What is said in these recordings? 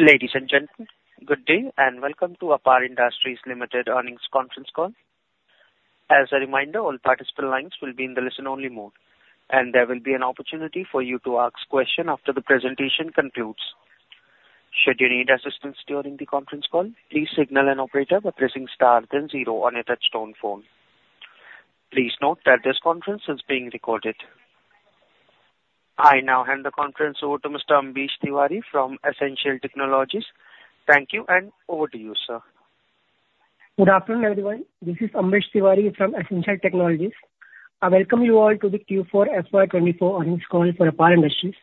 Ladies and gentlemen, good day and welcome to APAR Industries Limited earnings conference call. As a reminder, all participant lines will be in the listen-only mode, and there will be an opportunity for you to ask questions after the presentation concludes. Should you need assistance during the conference call, please signal an operator by pressing star then zero on your touch-tone phone. Please note that this conference is being recorded. I now hand the conference over to Mr. Ambesh Tiwari from S-Ancial Technologies. Thank you, and over to you, sir. Good afternoon, everyone. This is Ambesh Tiwari from S-Ancial Technologies. I welcome you all to the Q4 FY 2024 earnings call for APAR Industries.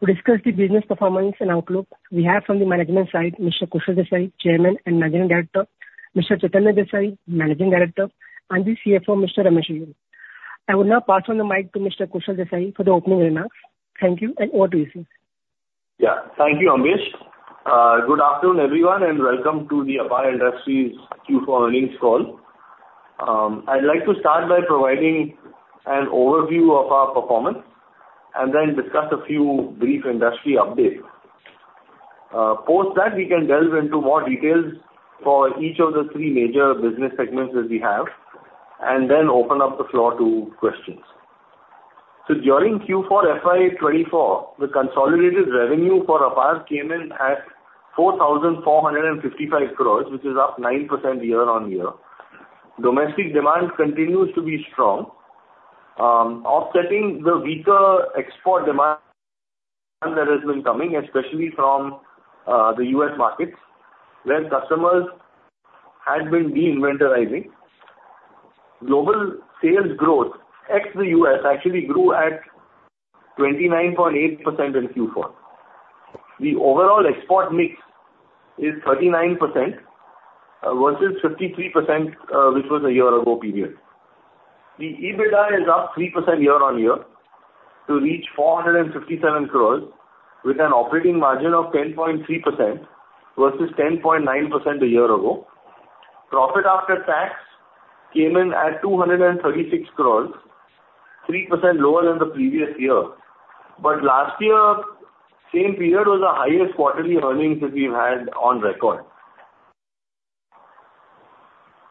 To discuss the business performance and outlook, we have from the management side, Mr. Kushal Desai, Chairman and Managing Director, Mr. Chaitanya Desai, Managing Director, and the CFO, Mr. Ramesh Iyer. I would now pass on the mic to Mr. Kushal Desai for the opening remarks. Thank you, and over to you, sir. Yeah. Thank you, Ambesh. Good afternoon, everyone, and welcome to the APAR Industries Q4 earnings call. I'd like to start by providing an overview of our performance and then discuss a few brief industry updates. Post that, we can delve into more details for each of the three major business segments that we have and then open up the floor to questions. During Q4 FY 2024, the consolidated revenue for APAR came in at 4,455 crores, which is up 9% year-over-year. Domestic demand continues to be strong, offsetting the weaker export demand that has been coming, especially from the U.S. markets where customers had been deinventorizing. Global sales growth ex the U.S. actually grew at 29.8% in Q4. The overall export mix is 39% versus 53%, which was a year-ago period. The EBITDA is up 3% year-on-year to reach 457 crores, with an operating margin of 10.3% versus 10.9% a year ago. Profit after tax came in at 236 crores, 3% lower than the previous year. But last year, same period was the highest quarterly earnings that we've had on record.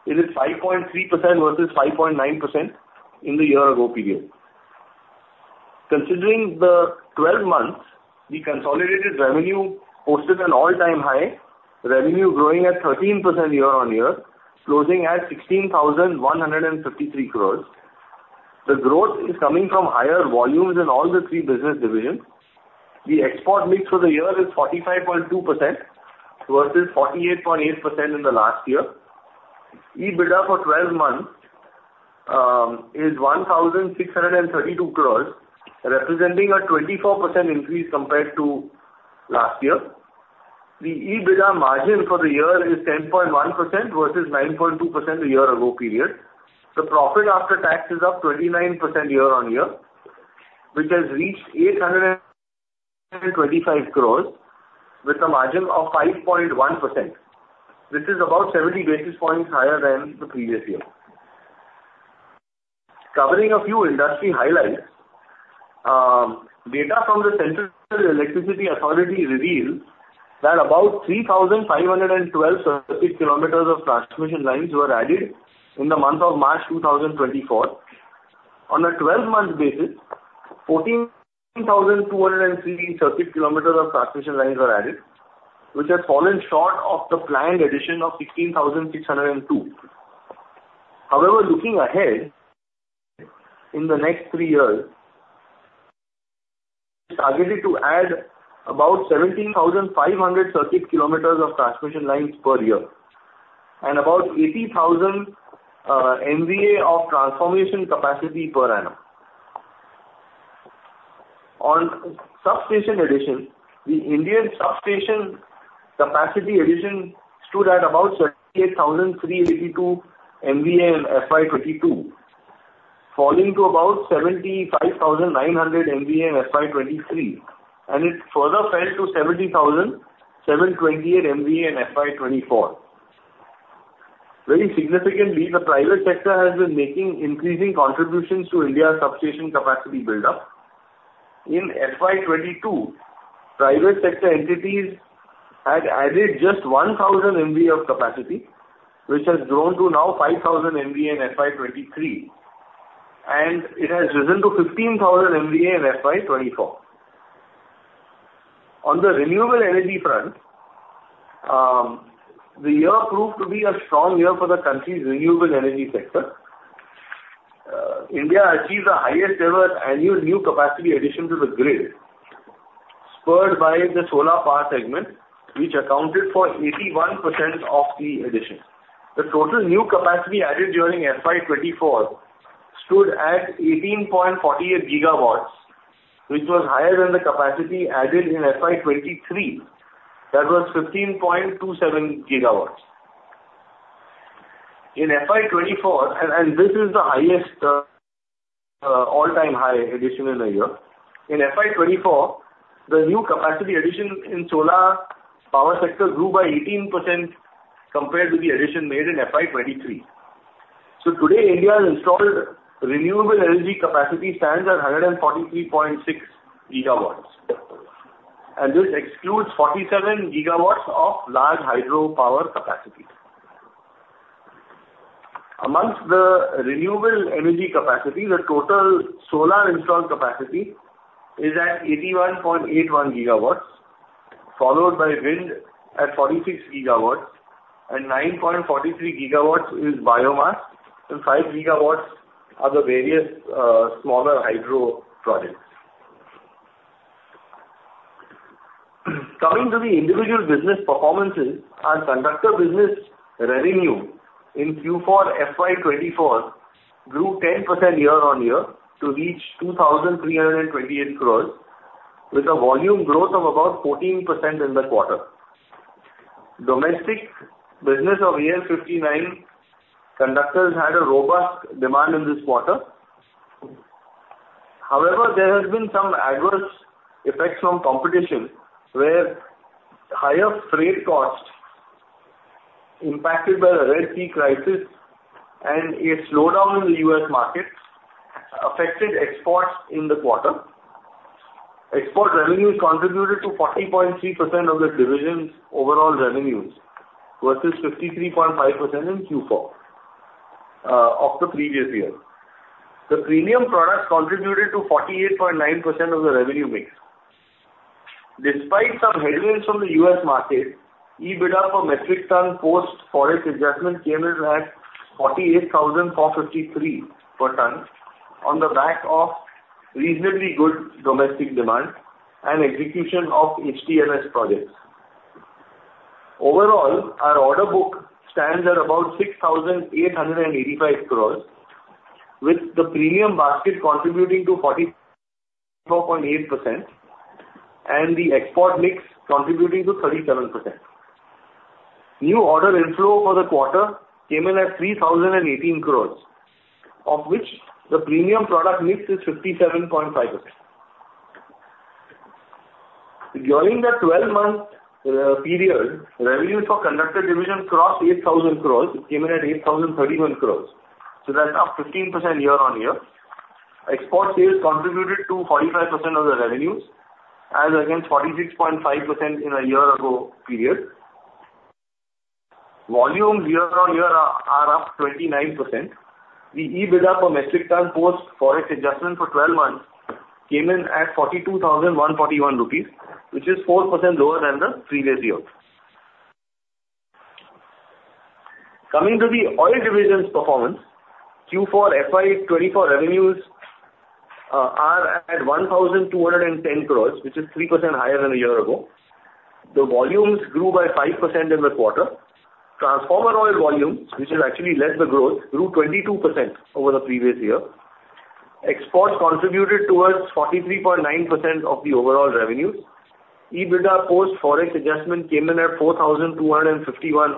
It is 5.3% versus 5.9% in the year-ago period. Considering the 12 months, the consolidated revenue posted an all-time high, revenue growing at 13% year-on-year, closing at 16,153 crores. The growth is coming from higher volumes in all the three business divisions. The export mix for the year is 45.2% versus 48.8% in the last year. EBITDA for 12 months is 1,632 crores, representing a 24% increase compared to last year. The EBITDA margin for the year is 10.1% versus 9.2% a year-ago period. The profit after tax is up 29% year-on-year, which has reached 825 crore with a margin of 5.1%. This is about 70 basis points higher than the previous year. Covering a few industry highlights, data from the Central Electricity Authority reveals that about 3,512 circuit kilometers of transmission lines were added in the month of March 2024. On a 12-month basis, 14,203 circuit kilometers of transmission lines were added, which has fallen short of the planned addition of 16,602. However, looking ahead in the next three years, it's targeted to add about 17,500 circuit kilometers of transmission lines per year and about 80,000 MVA of transformer capacity per annum. On substation addition, the Indian substation capacity addition stood at about 78,382 MVA in FY 2022, falling to about 75,900 MVA in FY 2023, and it further fell to 70,728 MVA in FY 2024. Very significantly, the private sector has been making increasing contributions to India's substation capacity buildup. In FY 2022, private sector entities had added just 1,000 MVA of capacity, which has grown to now 5,000 MVA in FY 2023, and it has risen to 15,000 MVA in FY 2024. On the renewable energy front, the year proved to be a strong year for the country's renewable energy sector. India achieved the highest-ever annual new capacity addition to the grid, spurred by the solar power segment, which accounted for 81% of the addition. The total new capacity added during FY 2024 stood at 18.48 GW, which was higher than the capacity added in FY 2023. That was 15.27 GW. In FY 20.24, and this is the highest all-time high addition in a year. In FY 2024, the new capacity addition in solar power sector grew by 18% compared to the addition made in FY 2023. Today, India's installed renewable energy capacity stands at 143.6 GW, and this excludes 47 GW of large hydropower capacity. Among the renewable energy capacity, the total solar installed capacity is at 81.81 GW, followed by wind at 46 GW, and 9.43 GW is biomass, and 5 GW are the various smaller hydro projects. Coming to the individual business performances, our conductor business revenue in Q4 FY 2024 grew 10% year-on-year to reach 2,328 crores, with a volume growth of about 14% in the quarter. Domestic business grew 59%, conductors had a robust demand in this quarter. However, there have been some adverse effects from competition, where higher freight costs impacted by the Red Sea crisis and a slowdown in the U.S. market affected exports in the quarter. Export revenues contributed to 40.3% of the division's overall revenues versus 53.5% in Q4 of the previous year. The premium products contributed to 48.9% of the revenue mix. Despite some headwinds from the U.S. market, EBITDA per metric ton post forex adjustment came in at 48,453 per ton on the back of reasonably good domestic demand and execution of HTLS projects. Overall, our order book stands at about 6,885 crores, with the premium basket contributing to 44.8% and the export mix contributing to 37%. New order inflow for the quarter came in at 3,018 crores, of which the premium product mix is 57.5%. During the 12-month period, revenues for conductor division crossed 8,000 crores. It came in at 8,031 crores. So that's up 15% year-on-year. Export sales contributed to 45% of the revenues, as against 46.5% in a year-ago period. Volumes year-on-year are up 29%. The EBITDA per metric ton post forex adjustment for 12 months came in at 42,141 rupees, which is 4% lower than the previous year. Coming to the oil division's performance, Q4 FY 2024 revenues are at 1,210 crores, which is 3% higher than a year ago. The volumes grew by 5% in the quarter. Transformer oil volumes, which has actually led the growth, grew 22% over the previous year. Exports contributed towards 43.9% of the overall revenues. EBITDA post forex adjustment came in at 4,251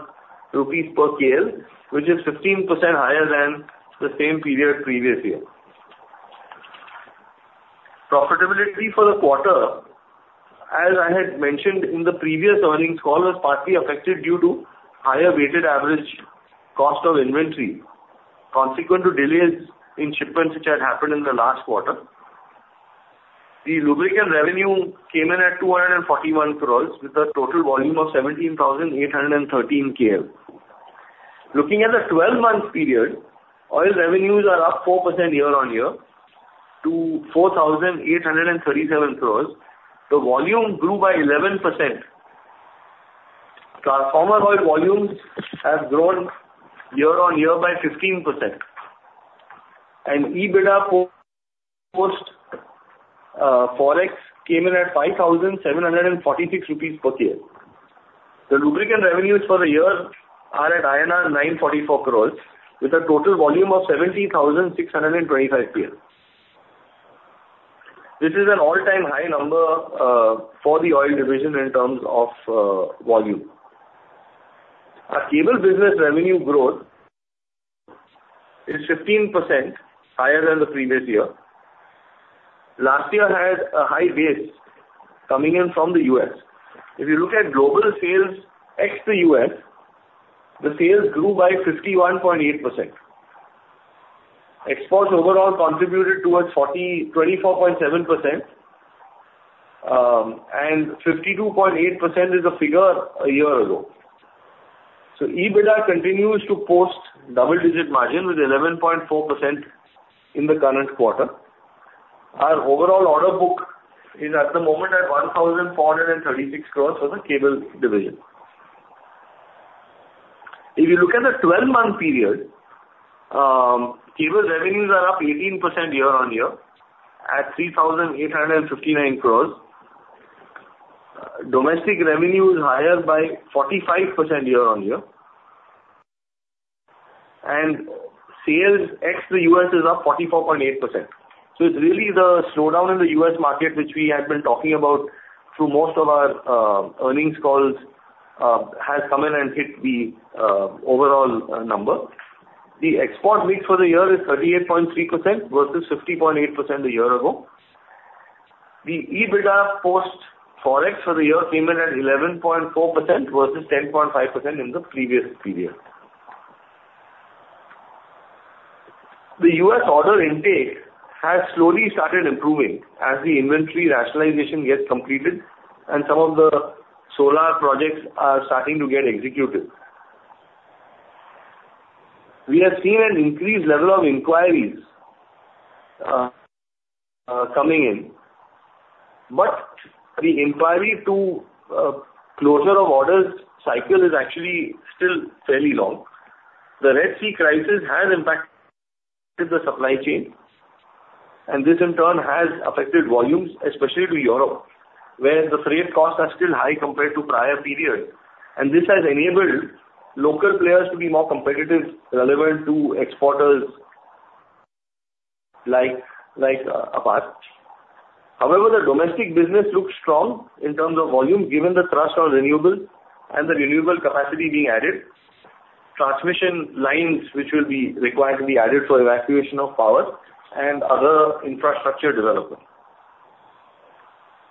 rupees per KL, which is 15% higher than the same period previous year. Profitability for the quarter, as I had mentioned in the previous earnings call, was partly affected due to higher weighted average cost of inventory consequent to delays in shipments which had happened in the last quarter. The lubricant revenue came in at 241 crores with a total volume of 17,813 KL. Looking at the 12-month period, oil revenues are up 4% year-over-year to 4,837 crores. The volume grew by 11%. Transformer oil volumes have grown year-over-year by 15%. EBITDA post forex came in at 5,746 rupees per KL. The lubricant revenues for the year are at INR 944 crores with a total volume of 17,625 KL. This is an all-time high number for the oil division in terms of volume. Our cable business revenue growth is 15% higher than the previous year. Last year had a high base coming in from the U.S.. If you look at global sales ex the U.S., the sales grew by 51.8%. Exports overall contributed towards 24.7%, and 52.8% is a figure a year ago. So EBITDA continues to post double-digit margin with 11.4% in the current quarter. Our overall order book is at the moment at 1,436 crores for the cable division. If you look at the 12-month period, cable revenues are up 18% year-on-year at INR 3,859 crores. Domestic revenue is higher by 45% year-on-year, and sales ex the U.S. is up 44.8%. So it's really the slowdown in the U.S. market, which we had been talking about through most of our earnings calls, has come in and hit the overall number. The export mix for the year is 38.3% versus 50.8% a year ago. The EBITDA post forex for the year came in at 11.4% versus 10.5% in the previous period. The U.S. order intake has slowly started improving as the inventory rationalization gets completed and some of the solar projects are starting to get executed. We have seen an increased level of inquiries coming in, but the inquiry to closure of orders cycle is actually still fairly long. The Red Sea crisis has impacted the supply chain, and this, in turn, has affected volumes, especially to Europe, where the freight costs are still high compared to prior periods. This has enabled local players to be more competitive, relevant to exporters like APAR. However, the domestic business looks strong in terms of volume given the trust on renewables and the renewable capacity being added, transmission lines which will be required to be added for evacuation of power, and other infrastructure development.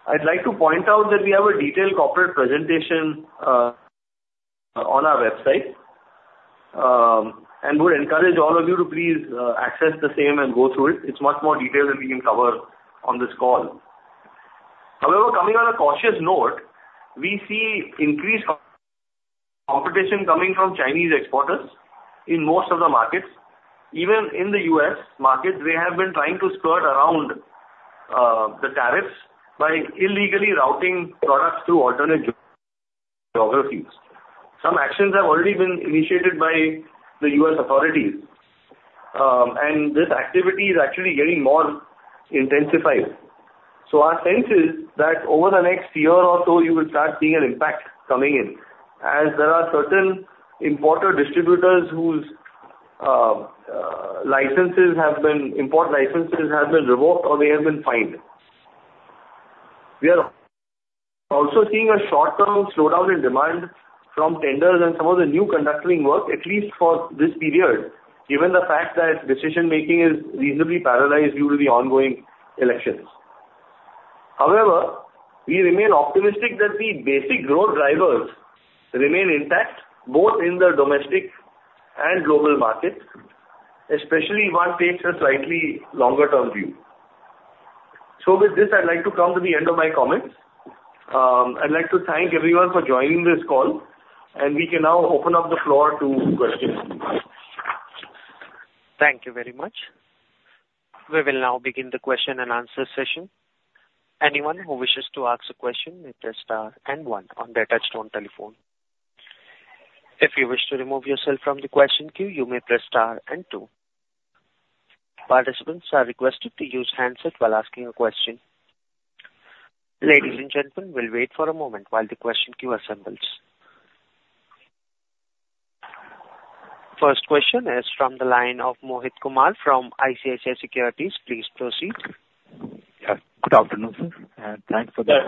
I'd like to point out that we have a detailed corporate presentation on our website and would encourage all of you to please access the same and go through it. It's much more detailed than we can cover on this call. However, coming on a cautious note, we see increased competition coming from Chinese exporters in most of the markets. Even in the U.S. markets, they have been trying to skirt around the tariffs by illegally routing products to alternate geographies. Some actions have already been initiated by the U.S. authorities, and this activity is actually getting more intensified. So our sense is that over the next year or so, you will start seeing an impact coming in as there are certain importer distributors whose import licenses have been revoked or they have been fined. We are also seeing a short-term slowdown in demand from tenders and some of the new conductoring work, at least for this period, given the fact that decision-making is reasonably paralyzed due to the ongoing elections. However, we remain optimistic that the basic growth drivers remain intact both in the domestic and global markets, especially if one takes a slightly longer-term view. So with this, I'd like to come to the end of my comments. I'd like to thank everyone for joining this call, and we can now open up the floor to questions. Thank you very much. We will now begin the question and answer session. Anyone who wishes to ask a question may press star and one on their touch-tone telephone. If you wish to remove yourself from the question queue, you may press star and two. Participants are requested to use handset while asking a question. Ladies and gentlemen, we'll wait for a moment while the question queue assembles. First question is from the line of Mohit Kumar from ICICI Securities. Please proceed. Good afternoon, sir. Thanks for the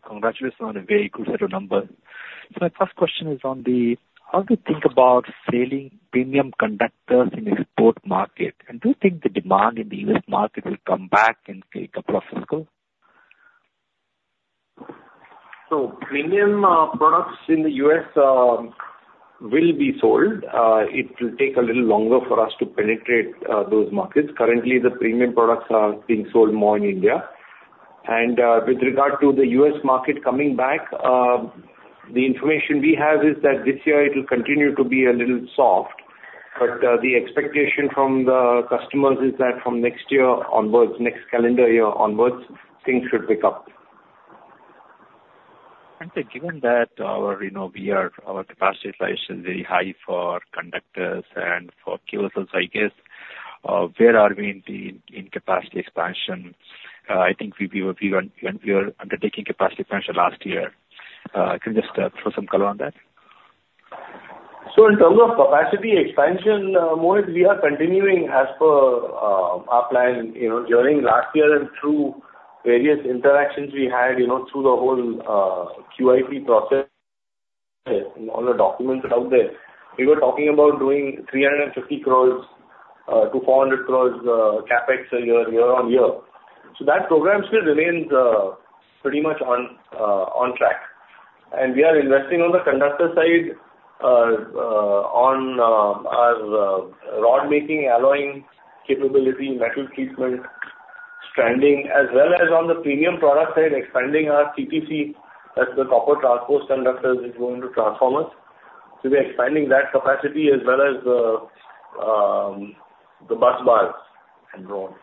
congratulations on a very good set of numbers. My first question is on how do you think about selling premium conductors in the export market? Do you think the demand in the U.S. market will come back in a couple of fiscal? Premium products in the U.S. will be sold. It will take a little longer for us to penetrate those markets. Currently, the premium products are being sold more in India. With regard to the U.S. market coming back, the information we have is that this year, it will continue to be a little soft. But the expectation from the customers is that from next year onwards, next calendar year onwards, things should pick up. Given that our capacity price is very high for conductors and for cables, I guess, where are we in capacity expansion? I think when we were undertaking capacity expansion last year, can you just throw some color on that? So in terms of capacity expansion, Mohit, we are continuing as per our plan during last year and through various interactions we had through the whole QIP process and all the documents out there. We were talking about doing 350 crores-400 crores CapEx year-on-year. So that program still remains pretty much on track. And we are investing on the conductor side on our rod-making, alloying capability, metal treatment, stranding, as well as on the premium product side, expanding our CTC, that's the copper transposed conductors, is going to transformers. So we are expanding that capacity as well as the bus bars and drones.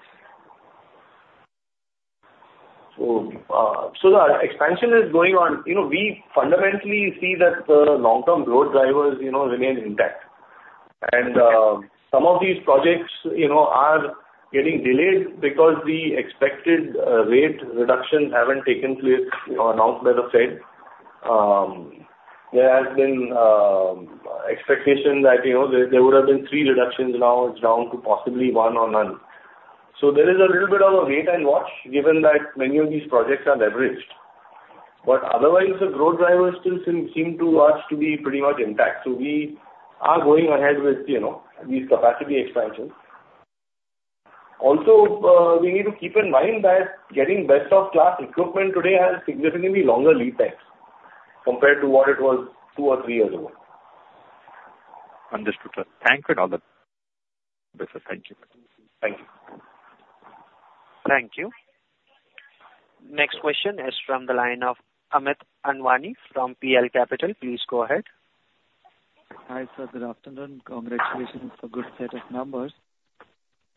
So the expansion is going on. We fundamentally see that the long-term growth drivers remain intact. And some of these projects are getting delayed because the expected rate reductions haven't taken place or announced by the Fed. There has been expectation that there would have been three reductions. Now, it's down to possibly one or none. So there is a little bit of a wait-and-watch given that many of these projects are leveraged. But otherwise, the growth drivers still seem to us to be pretty much intact. So we are going ahead with these capacity expansions. Also, we need to keep in mind that getting best-of-class equipment today has significantly longer lead times compared to what it was two or three years ago. Understood. Thank you for all the answers. Thank you. Thank you. Thank you. Next question is from the line of Amit Anwani from PL Capital. Please go ahead. Hi, sir. Good afternoon. Congratulations for a good set of numbers.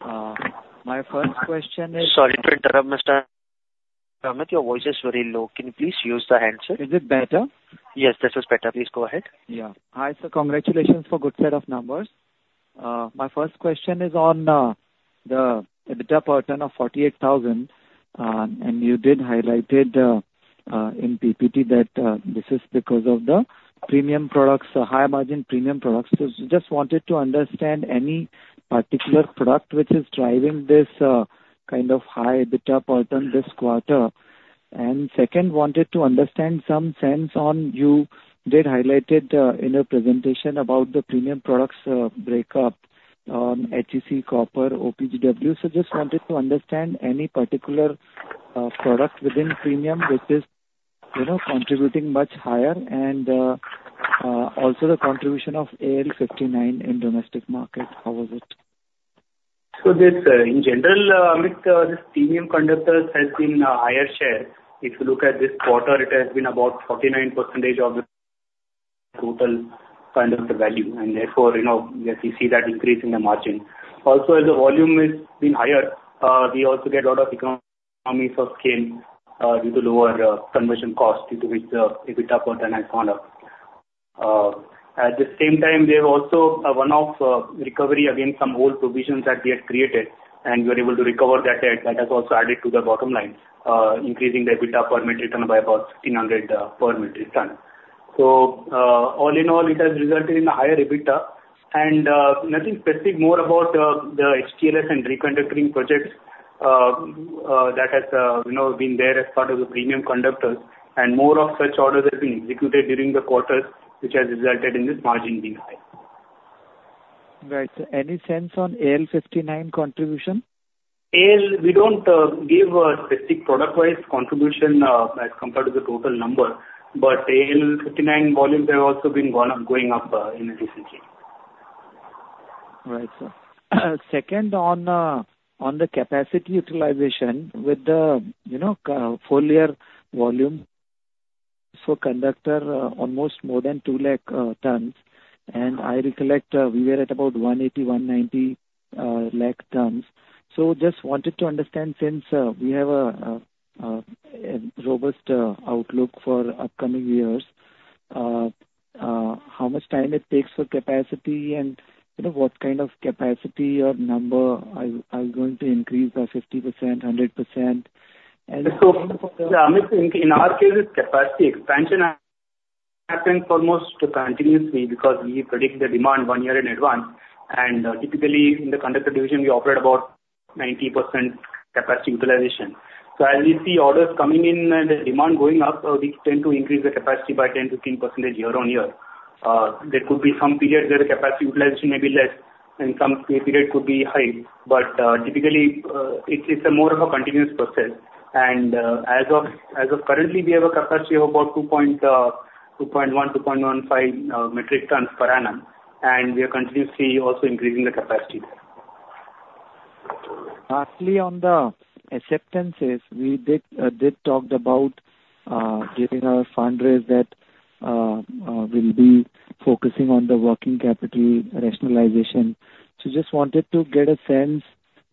My first question is. Sorry to interrupt, Mr. Amit. Your voice is very low. Can you please use the handset? Is it better? Yes, this is better. Please go ahead. Yeah. Hi, sir. Congratulations for a good set of numbers. My first question is on the EBITDA per tonne of 48,000. And you did highlight in PPT that this is because of the high-margin premium products. So I just wanted to understand any particular product which is driving this kind of high EBITDA per tonne this quarter. And second, wanted to understand some sense on you did highlight in your presentation about the premium products breakup on HEC, copper, OPGW. So I just wanted to understand any particular product within premium which is contributing much higher and also the contribution of AL-59 in domestic market. How was it? So in general, Amit, this premium conductors has been a higher share. If you look at this quarter, it has been about 49% of the total kind of the value. And therefore, yes, we see that increase in the margin. Also, as the volume has been higher, we also get a lot of economies of scale due to lower conversion cost due to which the EBITDA per ton has gone up. At the same time, there was also one-off recovery against some old provisions that we had created, and we were able to recover that. That has also added to the bottom line, increasing the EBITDA per metric ton by about 1,500 per metric ton. So all in all, it has resulted in a higher EBITDA. And nothing specific more about the HTLS and reconductoring projects that have been there as part of the premium conductors. More of such orders have been executed during the quarters, which has resulted in this margin being high. Right. So any sense on AL-59 contribution? We don't give a specific product-wise contribution as compared to the total number. But AL-59 volumes have also been going up in recent years. Right, sir. Second, on the capacity utilization with the four-year volume, so conductor almost more than 2 lakh tons. And I recollect we were at about 180 lakh tons-190 lakh tons. So just wanted to understand since we have a robust outlook for upcoming years, how much time it takes for capacity and what kind of capacity or number are we going to increase by 50%, 100%? And. Yeah, Amit, in our case, it's capacity expansion happening almost continuously because we predict the demand one year in advance. And typically, in the conductor division, we operate about 90% capacity utilization. So as we see orders coming in and the demand going up, we tend to increase the capacity by 10%-15% year-over-year. There could be some periods where the capacity utilization may be less, and some period could be high. But typically, it's more of a continuous process. And as of currently, we have a capacity of about 2.1 metric tons-2.15 metric tons per annum. And we are continuously also increasing the capacity there. Lastly, on the acceptances, we did talk about giving our fundraise that will be focusing on the working capital rationalization. So just wanted to get a sense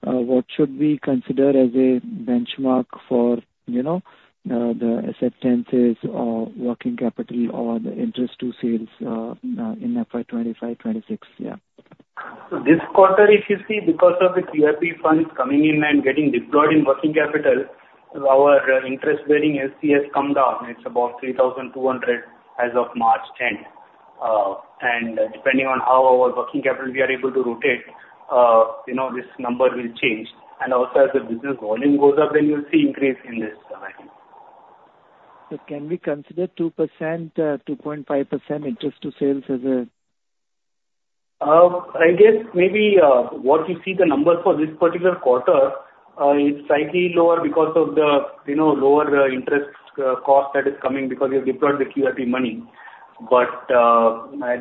what should we consider as a benchmark for the acceptances or working capital or the interest to sales in FY 2025, 2026? Yeah. So this quarter, if you see, because of the QIP funds coming in and getting deployed in working capital, our interest bearing LCs come down. It's about 3,200 as of March 10th. Depending on how our working capital we are able to rotate, this number will change. And also, as the business volume goes up, then you'll see increase in this, I think. Can we consider 2%-2.5% interest to sales as a? I guess maybe what you see, the number for this particular quarter, is slightly lower because of the lower interest cost that is coming because you've deployed the QIP money. But at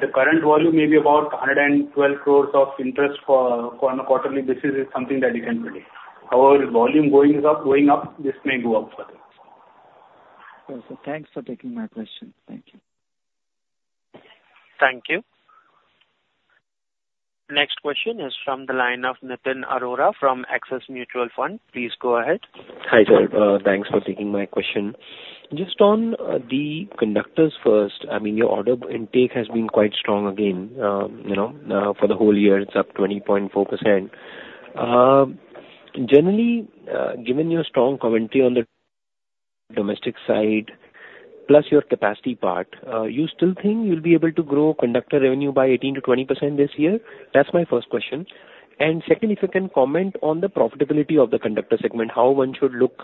the current volume, maybe about 112 crore of interest on a quarterly basis is something that you can predict. However, if volume is going up, this may go up further. Thanks for taking my question. Thank you. Thank you. Next question is from the line of Nitin Arora from Axis Mutual Fund. Please go ahead. Hi, sir. Thanks for taking my question. Just on the conductors first, I mean, your order intake has been quite strong again. For the whole year, it's up 20.4%. Generally, given your strong commentary on the domestic side, plus your capacity part, you still think you'll be able to grow conductor revenue by 18%-20% this year? That's my first question. Second, if you can comment on the profitability of the conductor segment, how one should look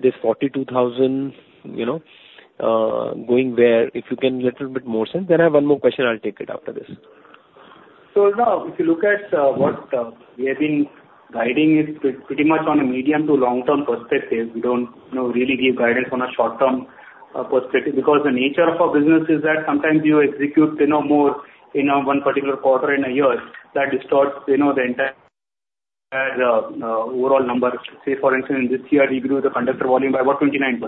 this 42,000 going where? If you can a little bit more sense, then I have one more question. I'll take it after this. So now, if you look at what we have been guiding, it's pretty much on a medium to long-term perspective. We don't really give guidance on a short-term perspective because the nature of our business is that sometimes you execute more in one particular quarter in a year that distorts the entire overall number. Say, for instance, in this year, we grew the conductor volume by about 29%,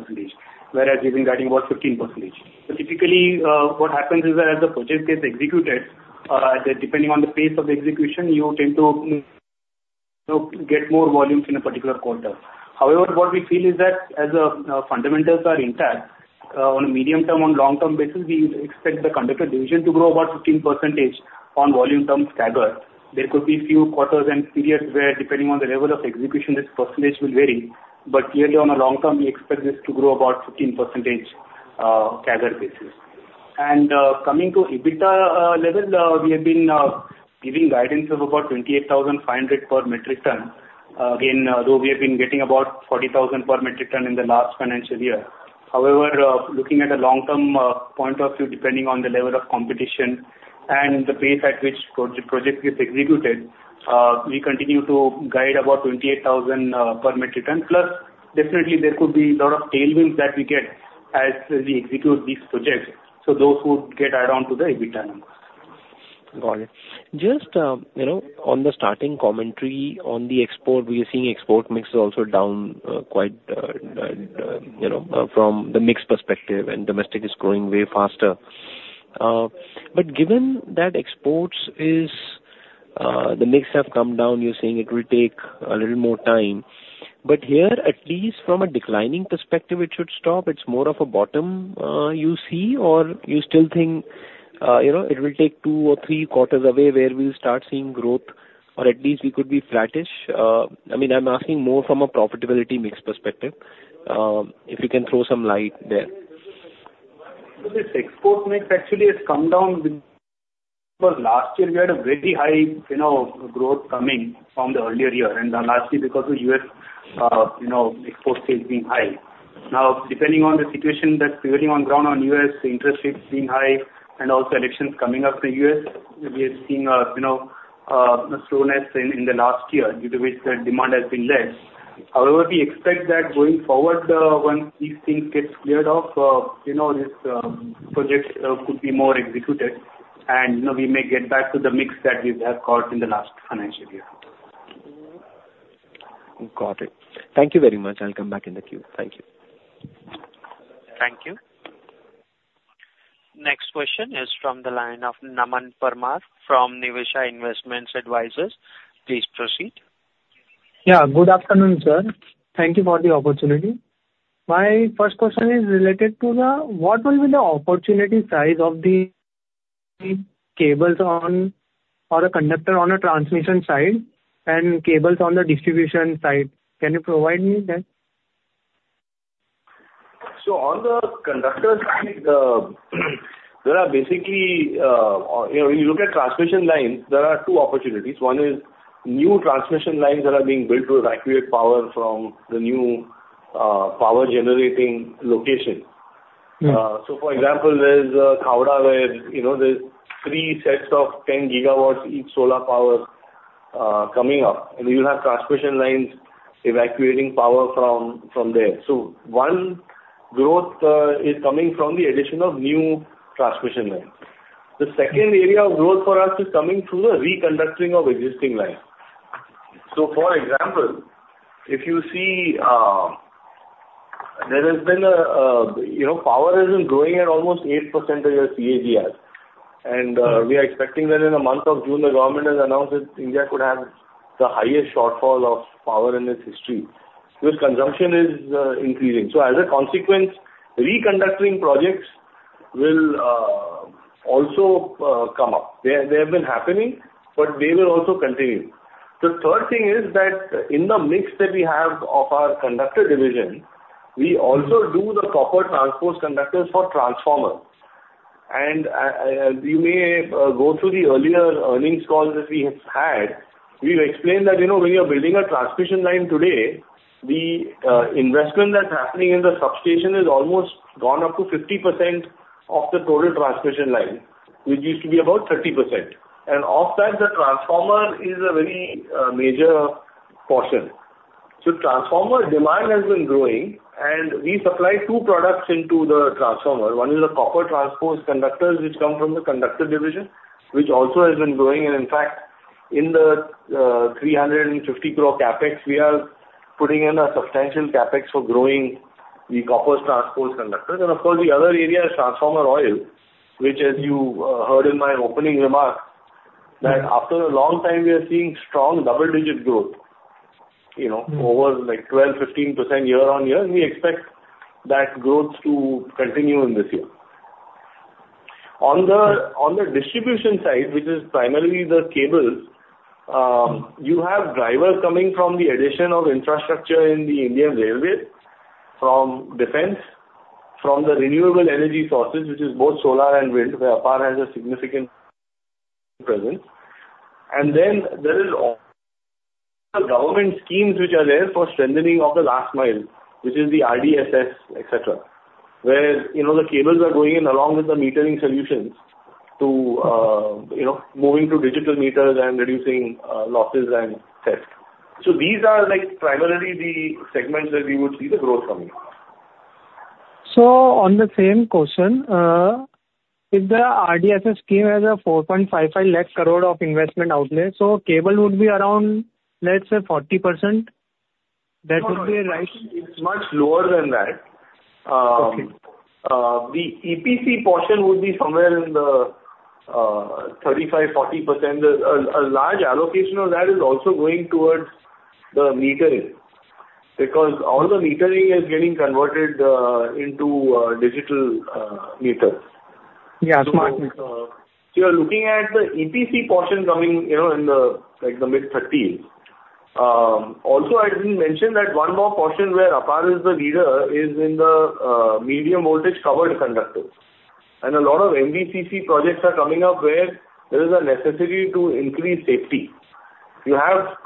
whereas we've been guiding about 15%. So typically, what happens is that as the project gets executed, depending on the pace of the execution, you tend to get more volumes in a particular quarter. However, what we feel is that as the fundamentals are intact, on a medium term, on long-term basis, we expect the conductor division to grow about 15% on volume terms staggered. There could be a few quarters and periods where, depending on the level of execution, this percentage will vary. Clearly, on a long-term, we expect this to grow about 15% staggered basis. Coming to EBITDA level, we have been giving guidance of about 28,500 per metric ton. Again, though we have been getting about 40,000 per metric ton in the last financial year. However, looking at a long-term point of view, depending on the level of competition and the pace at which the project gets executed, we continue to guide about 28,000 per metric ton. Plus, definitely, there could be a lot of tailwinds that we get as we execute these projects. Those would get added on to the EBITDA numbers. Got it. Just on the starting commentary on the export, we are seeing export mix is also down quite from the mix perspective, and domestic is growing way faster. But given that exports is the mix have come down, you're saying it will take a little more time. But here, at least from a declining perspective, it should stop. It's more of a bottom you see, or you still think it will take two or three quarters away where we'll start seeing growth, or at least we could be flattish? I mean, I'm asking more from a profitability mix perspective. If you can throw some light there. So this export mix, actually, has come down because last year, we had a very high growth coming from the earlier year. And lastly, because of U.S. exports being high. Now, depending on the situation that's prevailing on ground on U.S., the interest rates being high, and also elections coming up in the U.S., we have seen a slowness in the last year due to which the demand has been less. However, we expect that going forward, once these things get cleared off, this project could be more executed. And we may get back to the mix that we have caught in the last financial year. Got it. Thank you very much. I'll come back in the queue. Thank you. Thank you. Next question is from the line of Naman Parmar from Niveshaay Investment Advisors. Please proceed. Yeah. Good afternoon, sir. Thank you for the opportunity. My first question is related to what will be the opportunity size of the cables or a conductor on a transmission side and cables on the distribution side? Can you provide me that? So on the conductor side, there are basically if you look at transmission lines, there are two opportunities. One is new transmission lines that are being built to evacuate power from the new power-generating locations. So, for example, there's Khavda where there's three sets of 10 GW each solar power coming up. And you'll have transmission lines evacuating power from there. So one growth is coming from the addition of new transmission lines. The second area of growth for us is coming through the reconductoring of existing lines. So, for example, if you see there has been power in India growing at almost 8% CAGR. And we are expecting that in a month of June, the government has announced that India could have the highest shortfall of power in its history. Power consumption is increasing. So, as a consequence, reconductoring projects will also come up. They have been happening, but they will also continue. The third thing is that in the mix that we have of our conductor division, we also do the copper transposed conductors for transformers. You may go through the earlier earnings calls that we have had. We've explained that when you're building a transmission line today, the investment that's happening in the substation has almost gone up to 50% of the total transmission line, which used to be about 30%. Off that, the transformer is a very major portion. So transformer demand has been growing. We supply two products into the transformer. One is the copper transposed conductors, which come from the conductor division, which also has been growing. In fact, in the 350 crore CapEx, we are putting in a substantial CapEx for growing the copper transposed conductors. Of course, the other area is transformer oil, which, as you heard in my opening remarks, that after a long time, we are seeing strong double-digit growth over 12%-15% year-on-year. We expect that growth to continue in this year. On the distribution side, which is primarily the cables, you have drivers coming from the addition of infrastructure in the Indian Railways, from defense, from the renewable energy sources, which is both solar and wind, where APAR has a significant presence. Then there are government schemes which are there for strengthening of the last mile, which is the RDSS, etc., where the cables are going in along with the metering solutions to moving to digital meters and reducing losses and theft. These are primarily the segments that we would see the growth coming. On the same question, if the RDSS scheme has 455,000 crore of investment outlet, so cable would be around, let's say, 40%. That would be right? It's much lower than that. The EPC portion would be somewhere in the 35%-40%. A large allocation of that is also going towards the metering because all the metering is getting converted into digital meters. Yeah, smart meters. So you're looking at the EPC portion coming in the mid-30s. Also, I didn't mention that one more portion where APAR is the leader is in the medium voltage covered conductors. A lot of MVCC projects are coming up where there is a necessity to increase safety. You have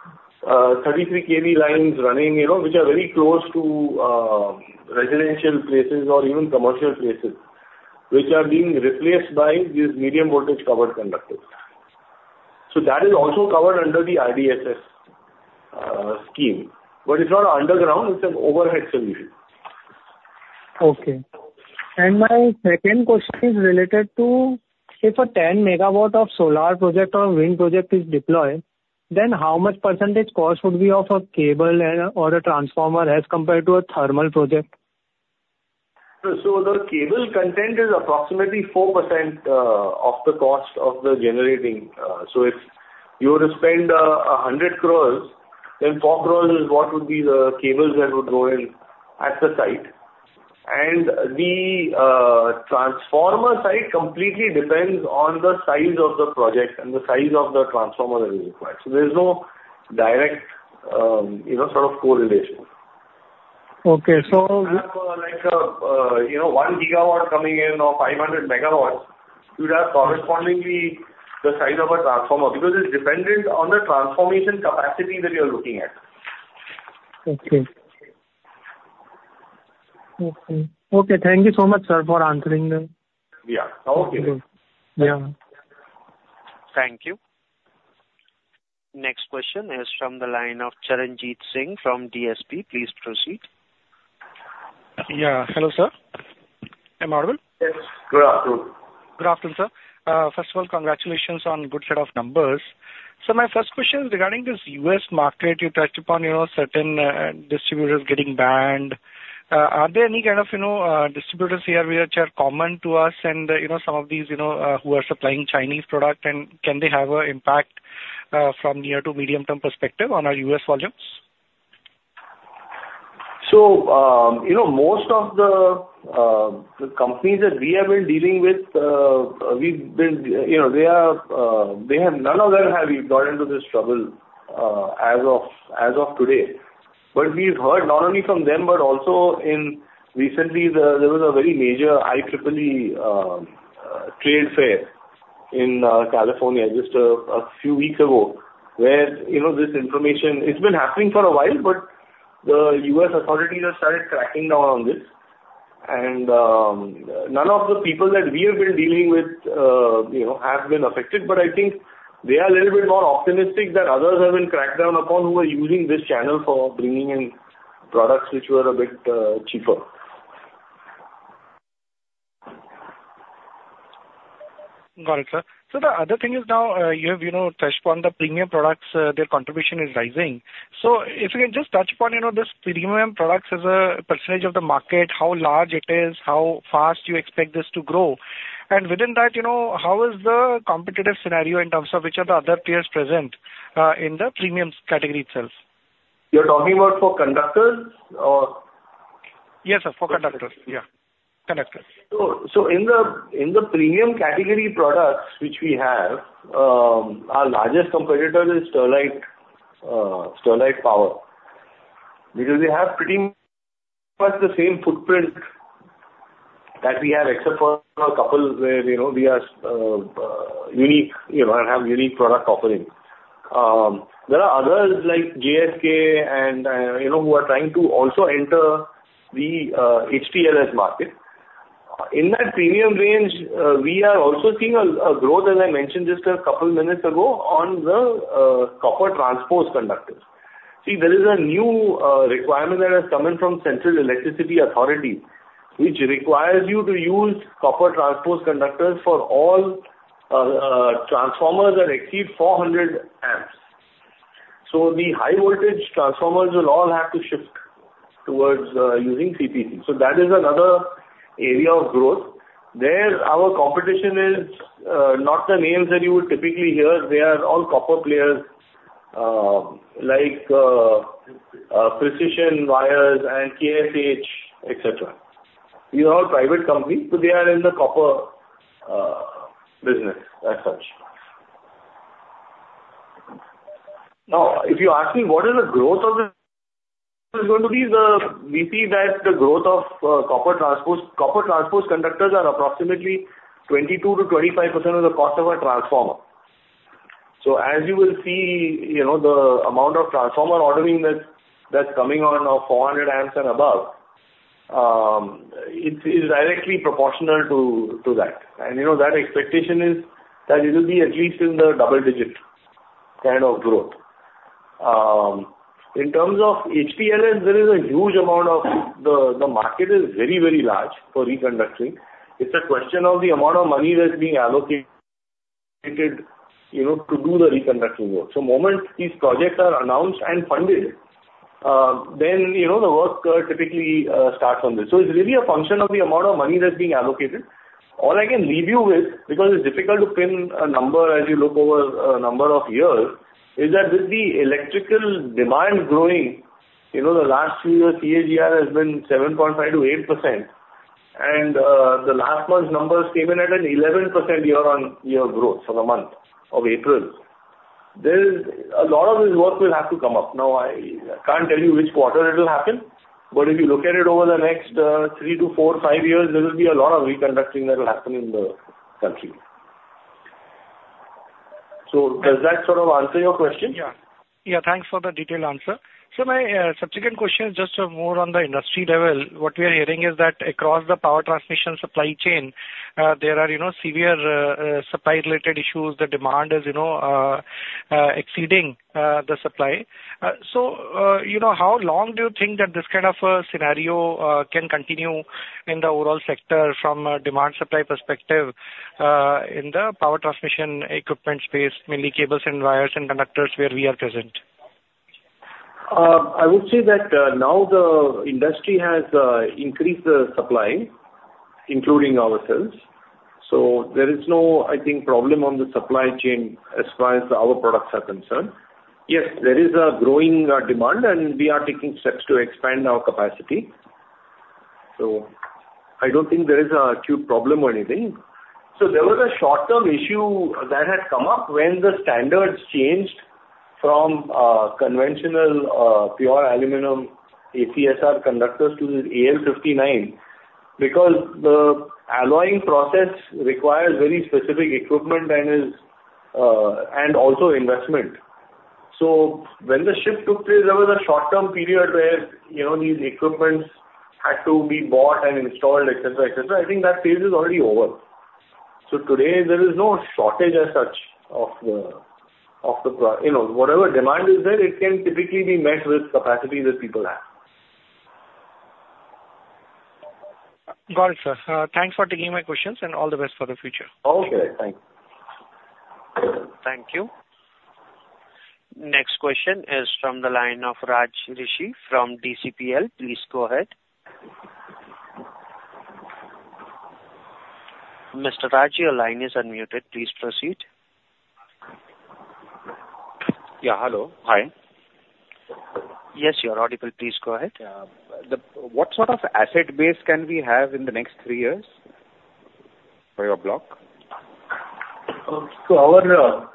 33 kV lines running, which are very close to residential places or even commercial places, which are being replaced by these medium voltage covered conductors. So that is also covered under the RDSS scheme. But it's not underground. It's an overhead solution. Okay. My second question is related to if a 10 MW solar project or wind project is deployed, then how much % cost would be of a cable or a transformer as compared to a thermal project? The cable content is approximately 4% of the cost of the generation. If you were to spend 100 crore, then 4 crore is what would be the cables that would go in at the site. The transformer size completely depends on the size of the project and the size of the transformer that is required. There's no direct sort of correlation. Okay. So. You have 1 GW coming in or 500 MW, you'd have correspondingly the size of a transformer because it's dependent on the transformation capacity that you're looking at. Okay. Okay. Okay. Thank you so much, sir, for answering that. Yeah. Okay. Yeah. Thank you. Next question is from the line of Charanjeet Singh from DSP. Please proceed. Yeah. Hello, sir. Am I audible? Yes. Good afternoon. Good afternoon, sir. First of all, congratulations on a good set of numbers. So my first question is regarding this U.S. market. You touched upon certain distributors getting banned. Are there any kind of distributors here which are common to us and some of these who are supplying Chinese product? And can they have an impact from near to medium-term perspective on our U.S. volumes? So most of the companies that we have been dealing with, they have none of them have got into this trouble as of today. But we've heard not only from them but also recently, there was a very major IEEE trade fair in California just a few weeks ago where this information, it's been happening for a while, but the U.S. authorities have started cracking down on this. And none of the people that we have been dealing with have been affected. But I think they are a little bit more optimistic that others have been cracked down upon who are using this channel for bringing in products which were a bit cheaper. Got it, sir. So the other thing is now you have touched upon the premium products. Their contribution is rising. So if you can just touch upon this premium products as a percentage of the market, how large it is, how fast you expect this to grow? And within that, how is the competitive scenario in terms of which are the other tiers present in the premium category itself? You're talking about for conductors or? Yes, sir. For conductors. Yeah. Conductors. So in the premium category products which we have, our largest competitor is Sterlite Power because we have pretty much the same footprint that we have except for a couple where we are unique and have unique product offerings. There are others like JSK who are trying to also enter the HTLS market. In that premium range, we are also seeing a growth, as I mentioned just a couple of minutes ago, on the copper transpose conductors. See, there is a new requirement that has come in from Central Electricity Authority, which requires you to use copper transpose conductors for all transformers that exceed 400 amps. So the high voltage transformers will all have to shift towards using CTC. So that is another area of growth. There, our competition is not the names that you would typically hear. They are all copper players like Precision Wires and KSH, etc. These are all private companies, but they are in the copper business as such. Now, if you ask me what is the growth of this is going to be, we see that the growth of copper transposed conductors is approximately 22%-25% of the cost of a transformer. So as you will see, the amount of transformer ordering that's coming on of 400 amps and above, it is directly proportional to that. That expectation is that it will be at least in the double-digit kind of growth. In terms of HTLS, there is a huge amount of the market is very, very large for reconductoring. It's a question of the amount of money that's being allocated to do the reconductoring work. The moment these projects are announced and funded, then the work typically starts on this. So it's really a function of the amount of money that's being allocated. All I can leave you with because it's difficult to pin a number as you look over a number of years is that with the electrical demand growing, the last few years, CAGR has been 7.5%-8%. And the last month's numbers came in at an 11% year-on-year growth for the month of April. A lot of this work will have to come up. Now, I can't tell you which quarter it will happen. But if you look at it over the next three to five years, there will be a lot of reconductoring that will happen in the country. So does that sort of answer your question? Yeah. Yeah. Thanks for the detailed answer. So my subsequent question is just more on the industry level. What we are hearing is that across the power transmission supply chain, there are severe supply-related issues. The demand is exceeding the supply. So how long do you think that this kind of scenario can continue in the overall sector from a demand-supply perspective in the power transmission equipment space, mainly cables and wires and conductors where we are present? I would say that now the industry has increased the supply, including ourselves. So there is no, I think, problem on the supply chain as far as our products are concerned. Yes, there is a growing demand, and we are taking steps to expand our capacity. So I don't think there is an acute problem or anything. So there was a short-term issue that had come up when the standards changed from conventional pure aluminum ACSR conductors to AL-59 because the alloying process requires very specific equipment and also investment. So when the shift took place, there was a short-term period where this equipment had to be bought and installed, etc., etc. I think that phase is already over. So today, there is no shortage as such of the whatever demand is there, it can typically be met with capacity that people have. Got it, sir. Thanks for taking my questions, and all the best for the future. Okay. Thanks. Thank you. Next question is from the line of Raj Rishi from DCPL. Please go ahead. Mr. Raj, your line is unmuted. Please proceed. Yeah. Hello. Hi. Yes, you're audible. Please go ahead. What sort of asset base can we have in the next three years for your block? Our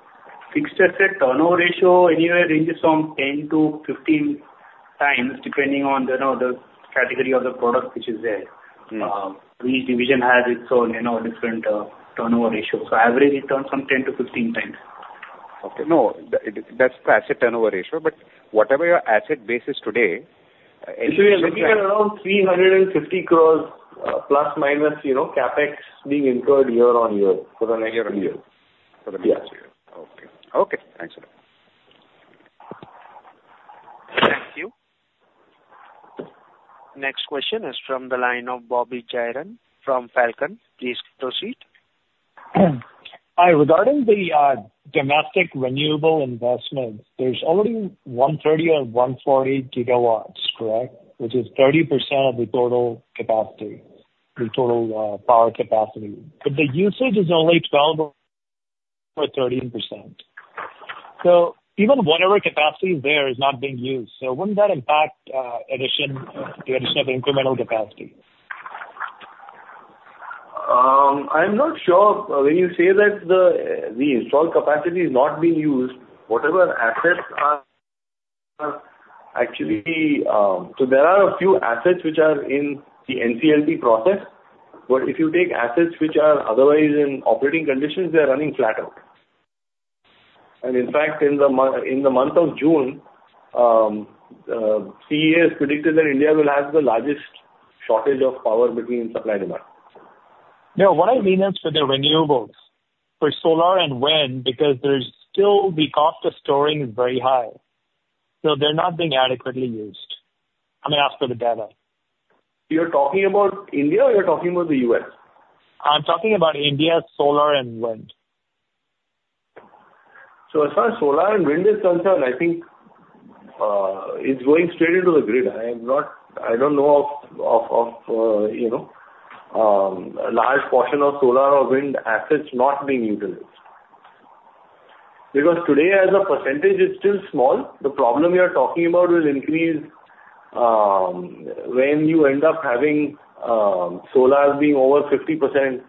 fixed asset turnover ratio anywhere ranges from 10-15 times depending on the category of the product which is there. Each division has its own different turnover ratio. Average, it turns some 10-15 times. Okay. No, that's the asset turnover ratio. But whatever your asset base is today, any. We are looking at around 350 crore ± CapEx being incurred year-on-year for the next year. Year-on-year. For the next year. Okay. Okay. Thanks, sir. Thank you. Next question is from the line of Bobby Jairam from Falcon. Please proceed. Hi. Regarding the domestic renewable investment, there's already 130 GW or 140 GW, correct, which is 30% of the total power capacity. But the usage is only 12% or 13%. So even whatever capacity is there is not being used. So wouldn't that impact the addition of incremental capacity? I'm not sure. When you say that the installed capacity is not being used, whatever assets are actually so there are a few assets which are in the NCLT process. But if you take assets which are otherwise in operating conditions, they're running flat out. And in fact, in the month of June, CEA has predicted that India will have the largest shortage of power between supply and demand. Now, what I mean is for the renewables, for solar and wind, because the cost of storing is very high, so they're not being adequately used. I mean, as per the data. You're talking about India or you're talking about the U.S.? I'm talking about India, solar, and wind. As far as solar and wind is concerned, I think it's going straight into the grid. I don't know of a large portion of solar or wind assets not being utilized. Because today, as a percentage, it's still small. The problem you're talking about will increase when you end up having solar being over 50%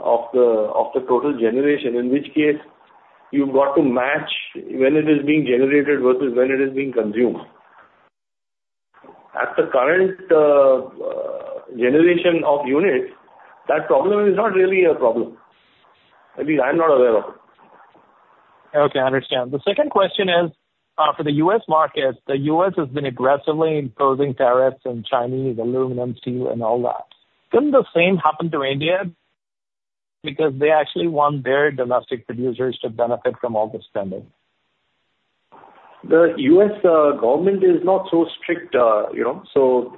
of the total generation, in which case you've got to match when it is being generated versus when it is being consumed. At the current generation of units, that problem is not really a problem. At least, I'm not aware of it. Okay. I understand. The second question is for the U.S. market. The U.S. has been aggressively imposing tariffs on Chinese aluminum, steel, and all that. Couldn't the same happen to India because they actually want their domestic producers to benefit from all this spending? The U.S. government is not so strict. So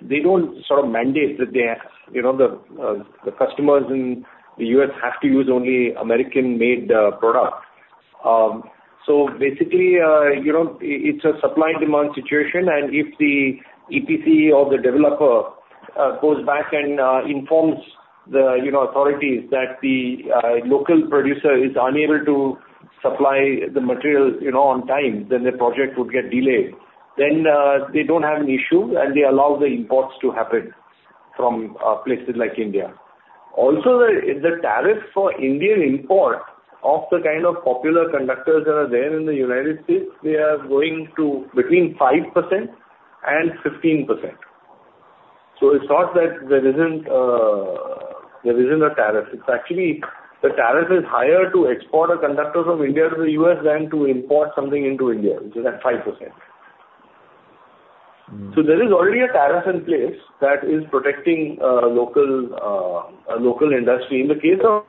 they don't sort of mandate that the customers in the U.S. have to use only American-made products. So basically, it's a supply-demand situation. And if the EPC or the developer goes back and informs the authorities that the local producer is unable to supply the material on time, then the project would get delayed. Then they don't have an issue, and they allow the imports to happen from places like India. Also, the tariff for Indian import of the kind of popular conductors that are there in the United States, they are going to between 5%-15%. So it's not that there isn't a tariff. The tariff is higher to export a conductor from India to the U.S. than to import something into India, which is at 5%. So there is already a tariff in place that is protecting a local industry. In the case of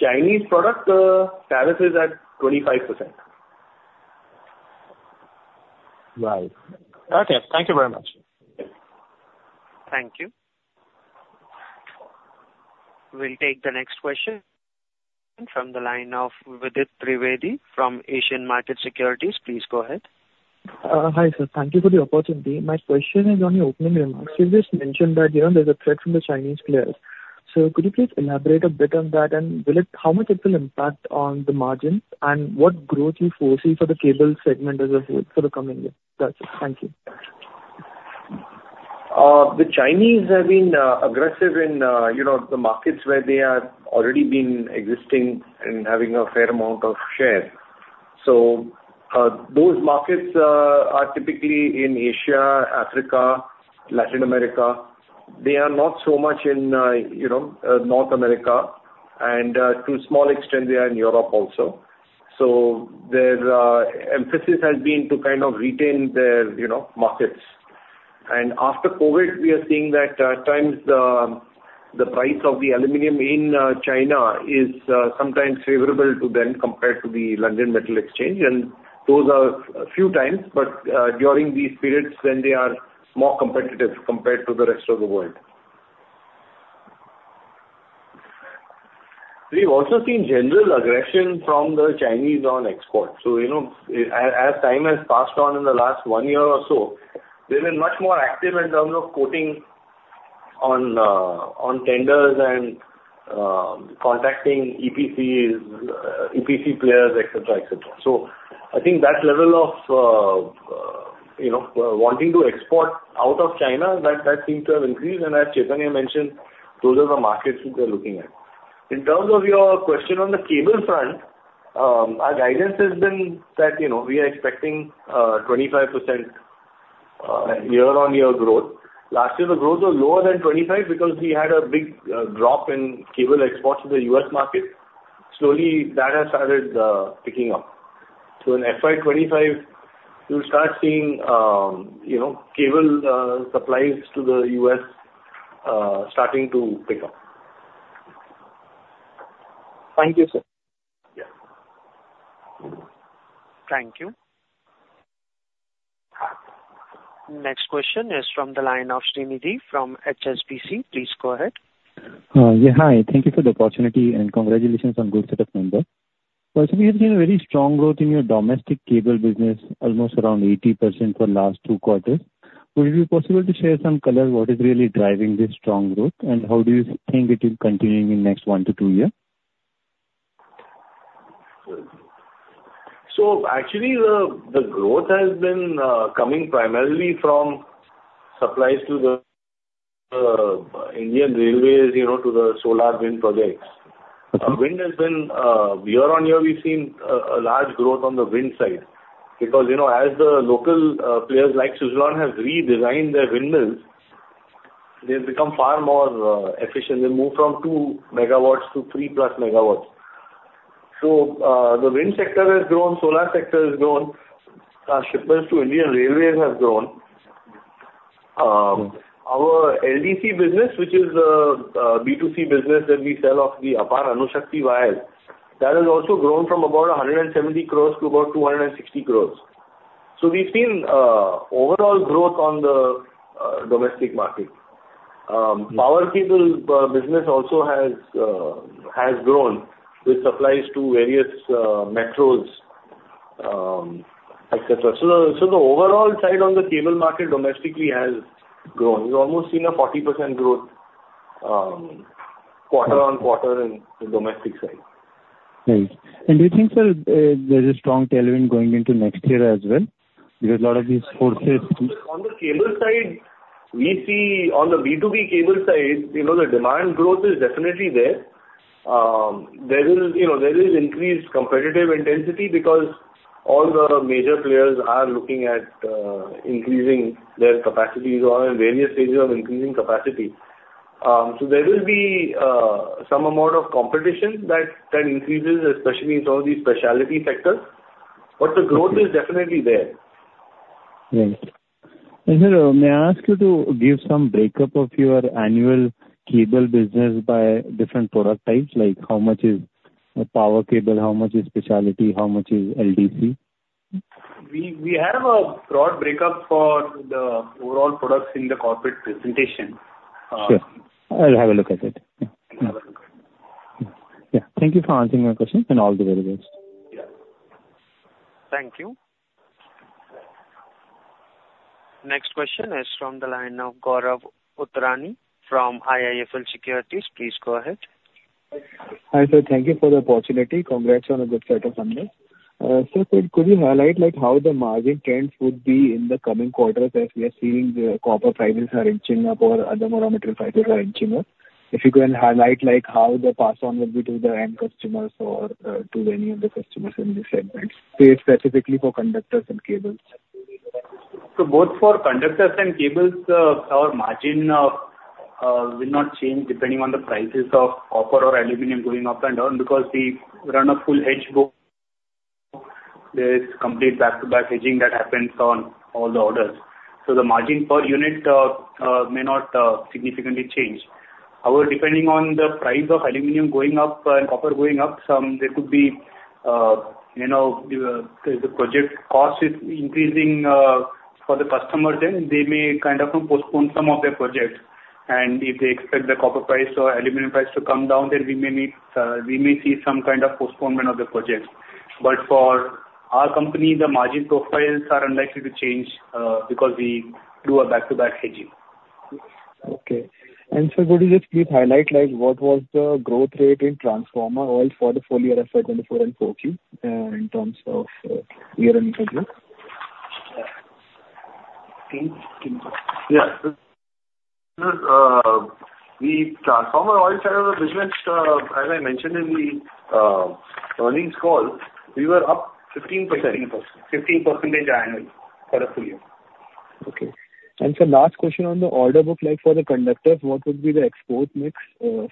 Chinese product, the tariff is at 25%. Right. Okay. Thank you very much. Thank you. We'll take the next question from the line of Vidit Trivedi from Asian Market Securities. Please go ahead. Hi, sir. Thank you for the opportunity. My question is only opening remarks. You just mentioned that there's a threat from the Chinese players. So could you please elaborate a bit on that, and how much it will impact on the margins, and what growth you foresee for the cable segment as a whole for the coming year? That's it. Thank you. The Chinese have been aggressive in the markets where they have already been existing and having a fair amount of share. Those markets are typically in Asia, Africa, Latin America. They are not so much in North America. To a small extent, they are in Europe also. Their emphasis has been to kind of retain their markets. After COVID, we are seeing that at times, the price of the aluminum in China is sometimes favorable to them compared to the London Metal Exchange. Those are a few times. But during these periods, then they are more competitive compared to the rest of the world. We've also seen general aggression from the Chinese on export. As time has passed on in the last one year or so, they've been much more active in terms of quoting on tenders and contacting EPC players, etc., etc. So I think that level of wanting to export out of China, that seemed to have increased. And as Chaitanya mentioned, those are the markets which they're looking at. In terms of your question on the cable front, our guidance has been that we are expecting 25% year-on-year growth. Last year, the growth was lower than 25 because we had a big drop in cable exports to the U.S. market. Slowly, that has started picking up. So in FY 2025, you'll start seeing cable supplies to the U.S. starting to pick up. Thank you, sir. Yeah. Thank you. Next question is from the line of Shrinidhi from HSBC. Please go ahead. Yeah. Hi. Thank you for the opportunity, and congratulations on a good set of numbers. First, we have seen a very strong growth in your domestic cable business, almost around 80% for the last two quarters. Would it be possible to share some colors what is really driving this strong growth, and how do you think it will continue in the next 1-2 years? So actually, the growth has been coming primarily from supplies to the Indian Railways to the solar wind projects. Wind has been year-on-year, we've seen a large growth on the wind side because as the local players like Suzlon have redesigned their windmills, they've become far more efficient. They've moved from 2 MW to 3+ MW. So the wind sector has grown. Solar sector has grown. Our shipments to Indian Railways have grown. Our LDC business, which is the B2C business that we sell of the APAR Anushakti wires, that has also grown from about 170 crore to about 260 crore. So we've seen overall growth on the domestic market. Power cable business also has grown with supplies to various metros, etc. So the overall side on the cable market domestically has grown. We've almost seen a 40% growth quarter-on-quarter in the domestic side. Do you think, sir, there's a strong tailwind going into next year as well because a lot of these forces? On the cable side, we see on the B2B cable side, the demand growth is definitely there. There is increased competitive intensity because all the major players are looking at increasing their capacities or in various stages of increasing capacity. So there will be some amount of competition that increases, especially in some of these specialty sectors. But the growth is definitely there. Yes. Sir, may I ask you to give some breakup of your annual cable business by different product types? How much is power cable? How much is specialty? How much is LDC? We have a broad breakup for the overall products in the corporate presentation. Sure. I'll have a look at it. Yeah. Thank you for answering my questions. All the very best. Yeah. Thank you. Next question is from the line of Gaurav Uttrani from IIFL Securities. Please go ahead. Hi, sir. Thank you for the opportunity. Congrats on a good set of numbers. Sir, could you highlight how the margin trends would be in the coming quarters as we are seeing the copper prices are inching up or other monomer prices are inching up? If you can highlight how the pass-on would be to the end customers or to any of the customers in these segments, specifically for conductors and cables. So both for conductors and cables, our margin will not change depending on the prices of copper or aluminum going up and down because we run a full hedge book. There's complete back-to-back hedging that happens on all the orders. The margin per unit may not significantly change. However, depending on the price of aluminum going up and copper going up, there could be, if the project cost is increasing for the customers, then they may kind of postpone some of their projects. If they expect the copper price or aluminum price to come down, then we may see some kind of postponement of the projects. For our company, the margin profiles are unlikely to change because we do a back-to-back hedging. Okay. And sir, could you just please highlight what was the growth rate in transformer oil for the FY 2024 and 4Q in terms of year-over-year growth? Yeah. Sir, the transformer oil side of the business, as I mentioned in the earnings call, we were up 15%. 15%. 15% annually for the full year oil. Okay. And sir, last question on the order book. For the conductors, what would be the export mix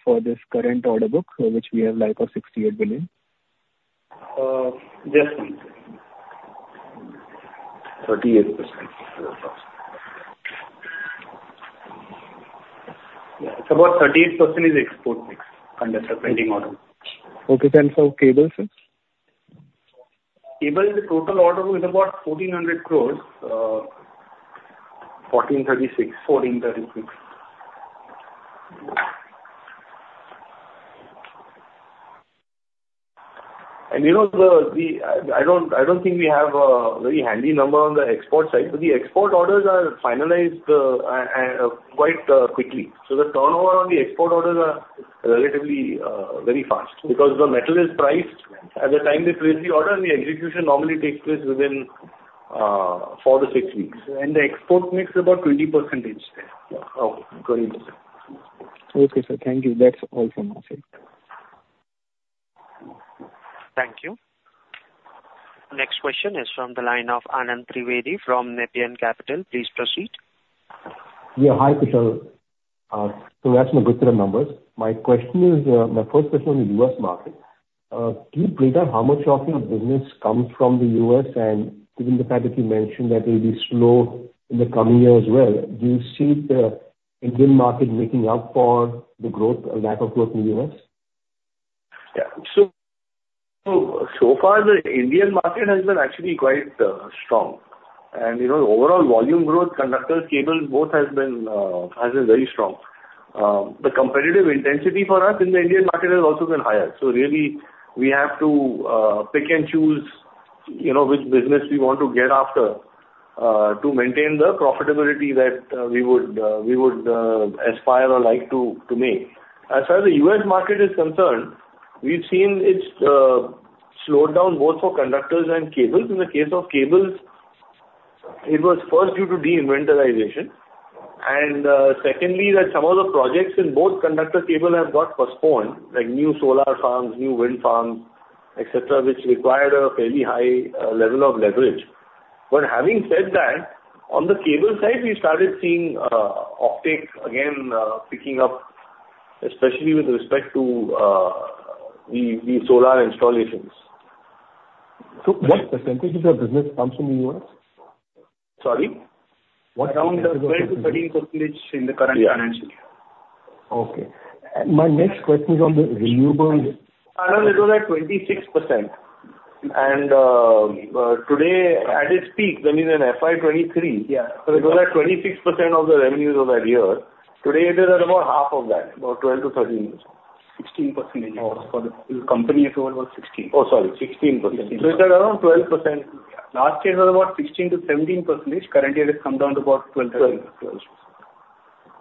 for this current order book, which we have of 68 billion? Just one second. 38%. Yeah. It's about 38% is export mix, conductor pending order. Okay. And for cables, sir? Cable, the total order book is about 1,436. 1,436. I don't think we have a very handy number on the export side. The export orders are finalized quite quickly. The turnover on the export orders are relatively very fast because the metal is priced at the time they place the order, and the execution normally takes place within 4-6 weeks. The export mix is about 20% each there. 20%. Okay, sir. Thank you. That's all from us. Thank you. Next question is from the line of Anand Trivedi from Nepean Capital. Please proceed. Yeah. Hi, Kushal. So that's my good set of numbers. My first question on the U.S. market, please break up how much of your business comes from the U.S.. And given the fact that you mentioned that it will be slow in the coming year as well, do you see the Indian market making up for the lack of growth in the U.S.? Yeah. So far, the Indian market has been actually quite strong. Overall volume growth, conductors, cables, both has been very strong. The competitive intensity for us in the Indian market has also been higher. So really, we have to pick and choose which business we want to go after to maintain the profitability that we would aspire or like to make. As far as the U.S. market is concerned, we've seen it slowed down both for conductors and cables. In the case of cables, it was first due to de-inventoryization. And secondly, that some of the projects in both conductors and cables have got postponed, like new solar farms, new wind farms, etc., which required a fairly high level of leverage. But having said that, on the cable side, we started seeing optics again picking up, especially with respect to the solar installations. What percentage of your business comes from the U.S.? Sorry? Around 12%-13% in the current financial year. Okay. My next question is on the renewables. Anand, it was at 26%. Today, at its peak, when we were in FY 2023, it was at 26% of the revenues of that year. Today, it is at about half of that, about 12%-13%. 16%. The company as a whole was 16%. Oh, sorry. 16%. So it's at around 12%. Last year was about 16%-17%. Current year, it's come down to about 12%-13%. 12,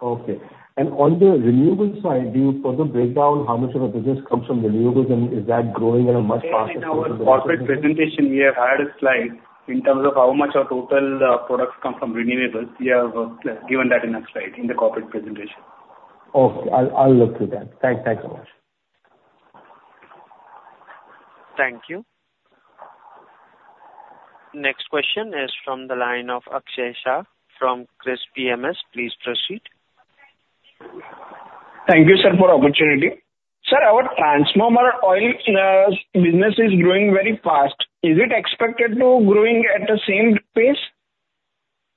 12%. Okay. On the renewables side, do you further break down how much of the business comes from renewables, and is that growing at a much faster pace? In our corporate presentation, we have had a slide in terms of how much our total products come from renewables. We have given that in a slide in the corporate presentation. Okay. I'll look through that. Thanks so much. Thank you. Next question is from the line of Akshay Shah from KRIIS PMS. Please proceed. Thank you, sir, for the opportunity. Sir, our transformer oil business is growing very fast. Is it expected to be growing at the same pace?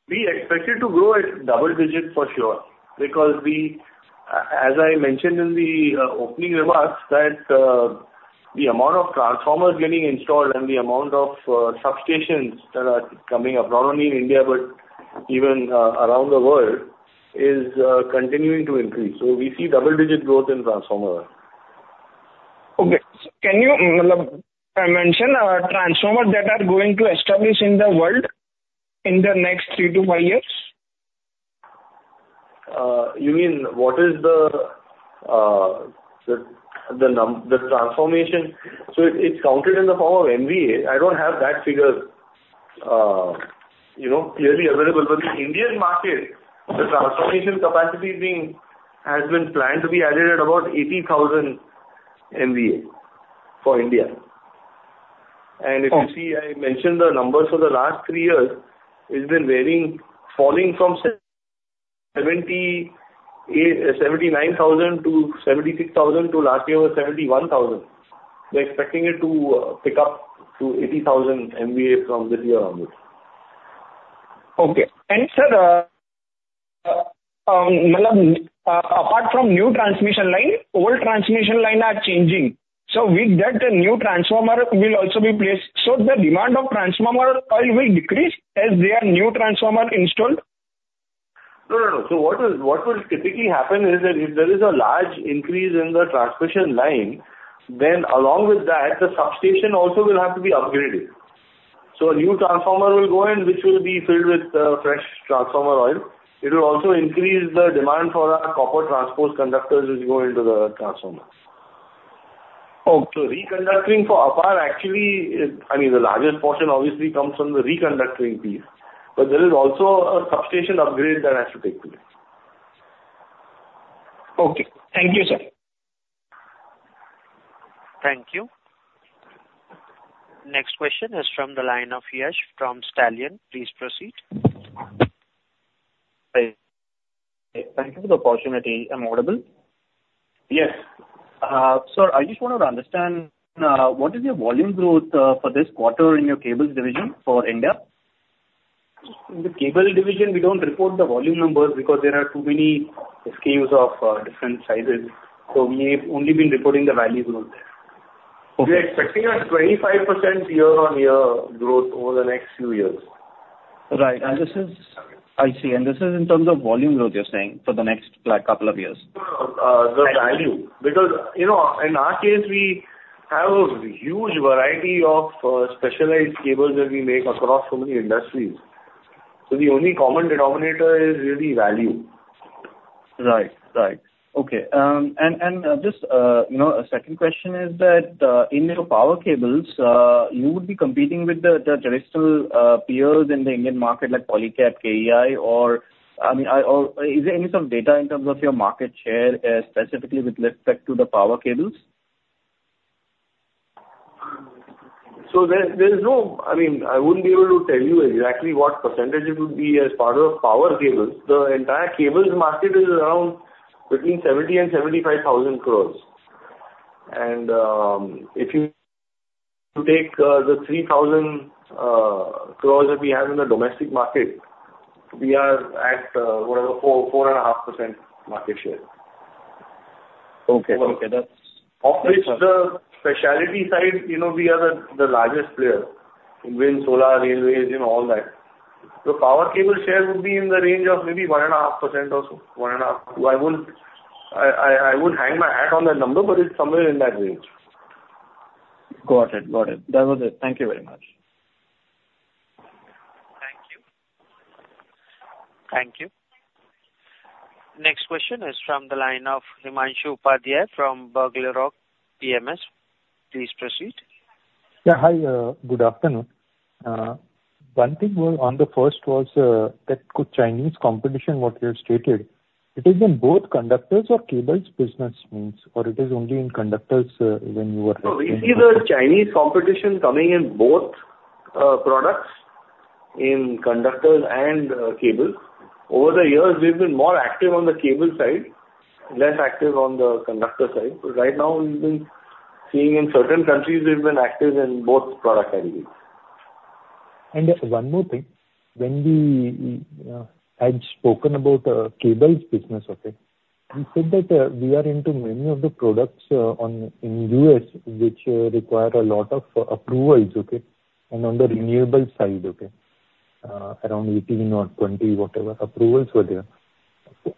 We expected to grow at double digit for sure because, as I mentioned in the opening remarks, that the amount of transformers getting installed and the amount of substations that are coming up, not only in India but even around the world, is continuing to increase. So we see double-digit growth in transformer oil. Okay. Can you mention transformers that are going to establish in the world in the next three to five years? You mean what is the transformation? So it's counted in the form of MVA. I don't have that figure clearly available. But the Indian market, the transformation capacity has been planned to be added at about 80,000 MVA for India. And if you see, I mentioned the numbers for the last three years. It's been falling from 79,000 to 76,000 to last year was 71,000. We're expecting it to pick up to 80,000 MVA from this year onwards. Okay. Sir, apart from new transmission line, old transmission line are changing. With that, the new transformer will also be placed. The demand of transformer oil will decrease as there are new transformer installed? No, no, no. So what will typically happen is that if there is a large increase in the transmission line, then along with that, the substation also will have to be upgraded. So a new transformer will go in, which will be filled with fresh transformer oil. It will also increase the demand for our copper transposed conductors which go into the transformer. So reconducting for APAR, actually I mean, the largest portion obviously comes from the reconducting piece. But there is also a substation upgrade that has to take place. Okay. Thank you, sir. Thank you. Next question is from the line of Yash from Stallion. Please proceed. Thank you for the opportunity. I'm audible? Yes. Sir, I just wanted to understand, what is your volume growth for this quarter in your cables division for India? In the cable division, we don't report the volume numbers because there are too many SKUs of different sizes. So we have only been reporting the value growth there. We are expecting a 25% year-on-year growth over the next few years. Right. I see. And this is in terms of volume growth you're saying for the next couple of years? The value. Because in our case, we have a huge variety of specialized cables that we make across so many industries. So the only common denominator is really value. Right, right. Okay. And just a second question is that in your power cables, you would be competing with the traditional peers in the Indian market like Polycab, KEI, or I mean, is there any sort of data in terms of your market share specifically with respect to the power cables? So there is no, I mean, I wouldn't be able to tell you exactly what percentage it would be as part of power cables. The entire cables market is around between 70,000 crore and 75,000 crore. And if you take the 3,000 crore that we have in the domestic market, we are at whatever, 4.5% market share. Of which the specialty side, we are the largest player in wind, solar, railways, all that. The power cable share would be in the range of maybe 1.5% also, 1.5% too. I would hang my hat on that number, but it's somewhere in that range. Got it, got it. That was it. Thank you very much. Thank you. Thank you. Next question is from the line of Himanshu Upadhyay from BugleRock PMS. Please proceed. Yeah. Hi. Good afternoon. One thing on the first was that with Chinese competition, what you have stated, it is in both conductors or cables business? Means? Or it is only in conductors when you were referring? So we see the Chinese competition coming in both products, in conductors and cables. Over the years, we've been more active on the cable side, less active on the conductor side. But right now, we've been seeing in certain countries, we've been active in both product categories. One more thing. When we had spoken about the cables business, okay, you said that we are into many of the products in the U.S. which require a lot of approvals, okay, and on the renewable side, okay, around 18 or 20, whatever, approvals for there,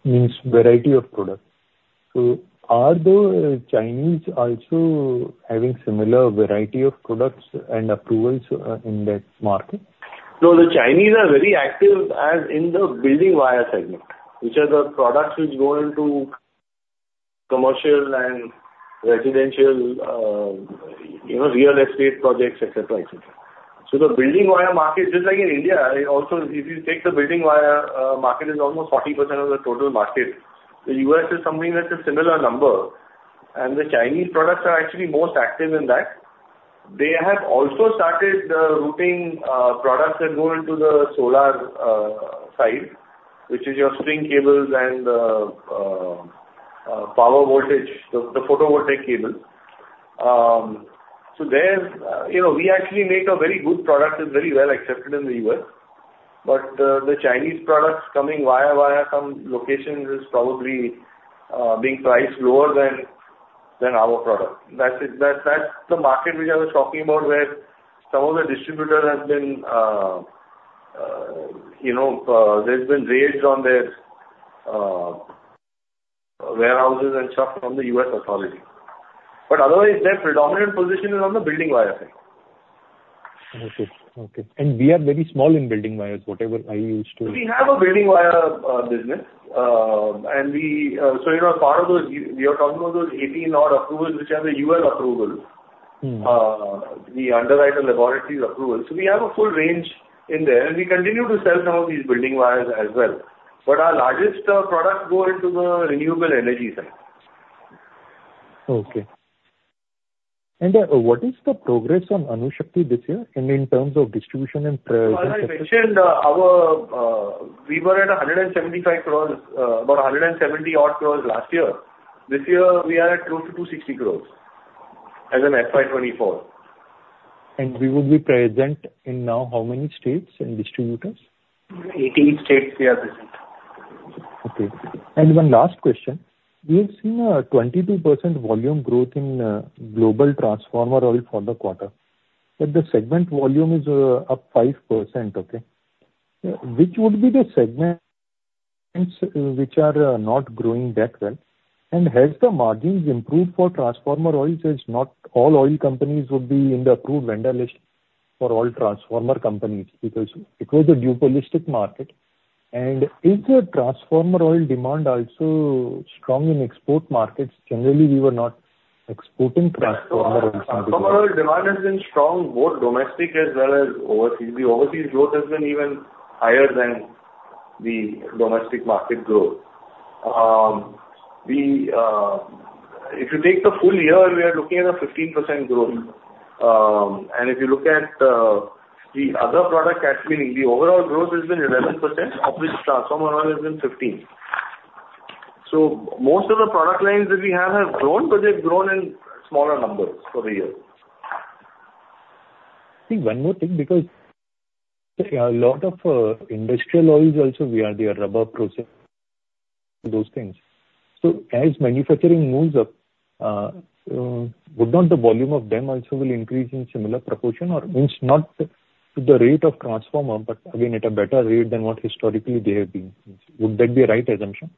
means variety of products. So are the Chinese also having similar variety of products and approvals in that market? No, the Chinese are very active in the building wire segment, which are the products which go into commercial and residential real estate projects, etc., etc. So the building wire market, just like in India, also if you take the building wire market, it's almost 40% of the total market. The U.S. is something that's a similar number. And the Chinese products are actually most active in that. They have also started routing products that go into the solar side, which is your string cables and power voltage, the photovoltaic cables. So we actually make a very good product. It's very well accepted in the U.S. But the Chinese products coming via some locations is probably being priced lower than our product. That's the market which I was talking about where some of the distributors have been. There's been raids on their warehouses and stuff from the U.S. authority. But otherwise, their predominant position is on the building wire side. Okay, okay. We are very small in building wires, whatever I used to. We have a building wire business. And so part of those we were talking about those 18-odd approvals, which are the UL approvals, the Underwriters Laboratories approvals. So we have a full range in there. And we continue to sell some of these building wires as well. But our largest products go into the renewable energy side. Okay. And what is the progress on Anushakti this year in terms of distribution and presentation? As I mentioned, we were at 175 crore, about 170-odd crore last year. This year, we are at close to 260 crore as an FY 2024. We would be present in now how many states and distributors? 18 states we are present. Okay. One last question. We have seen a 22% volume growth in global transformer oil for the quarter. But the segment volume is up 5%, okay? Which would be the segments which are not growing that well? Has the margins improved for transformer oils as not all oil companies would be in the approved vendor list for all transformer companies because it was a duopolistic market? Is the transformer oil demand also strong in export markets? Generally, we were not exporting transformer oils. Transformer oil demand has been strong, both domestic as well as overseas. The overseas growth has been even higher than the domestic market growth. If you take the full year, we are looking at a 15% growth. If you look at the other product category, the overall growth has been 11%, of which transformer oil has been 15%. Most of the product lines that we have have grown, but they've grown in smaller numbers for the year. I think one more thing because a lot of industrial oils also, they are rubber process, those things. So as manufacturing moves up, would not the volume of them also increase in similar proportion? Or means not to the rate of transformer, but again, at a better rate than what historically they have been. Would that be a right assumption?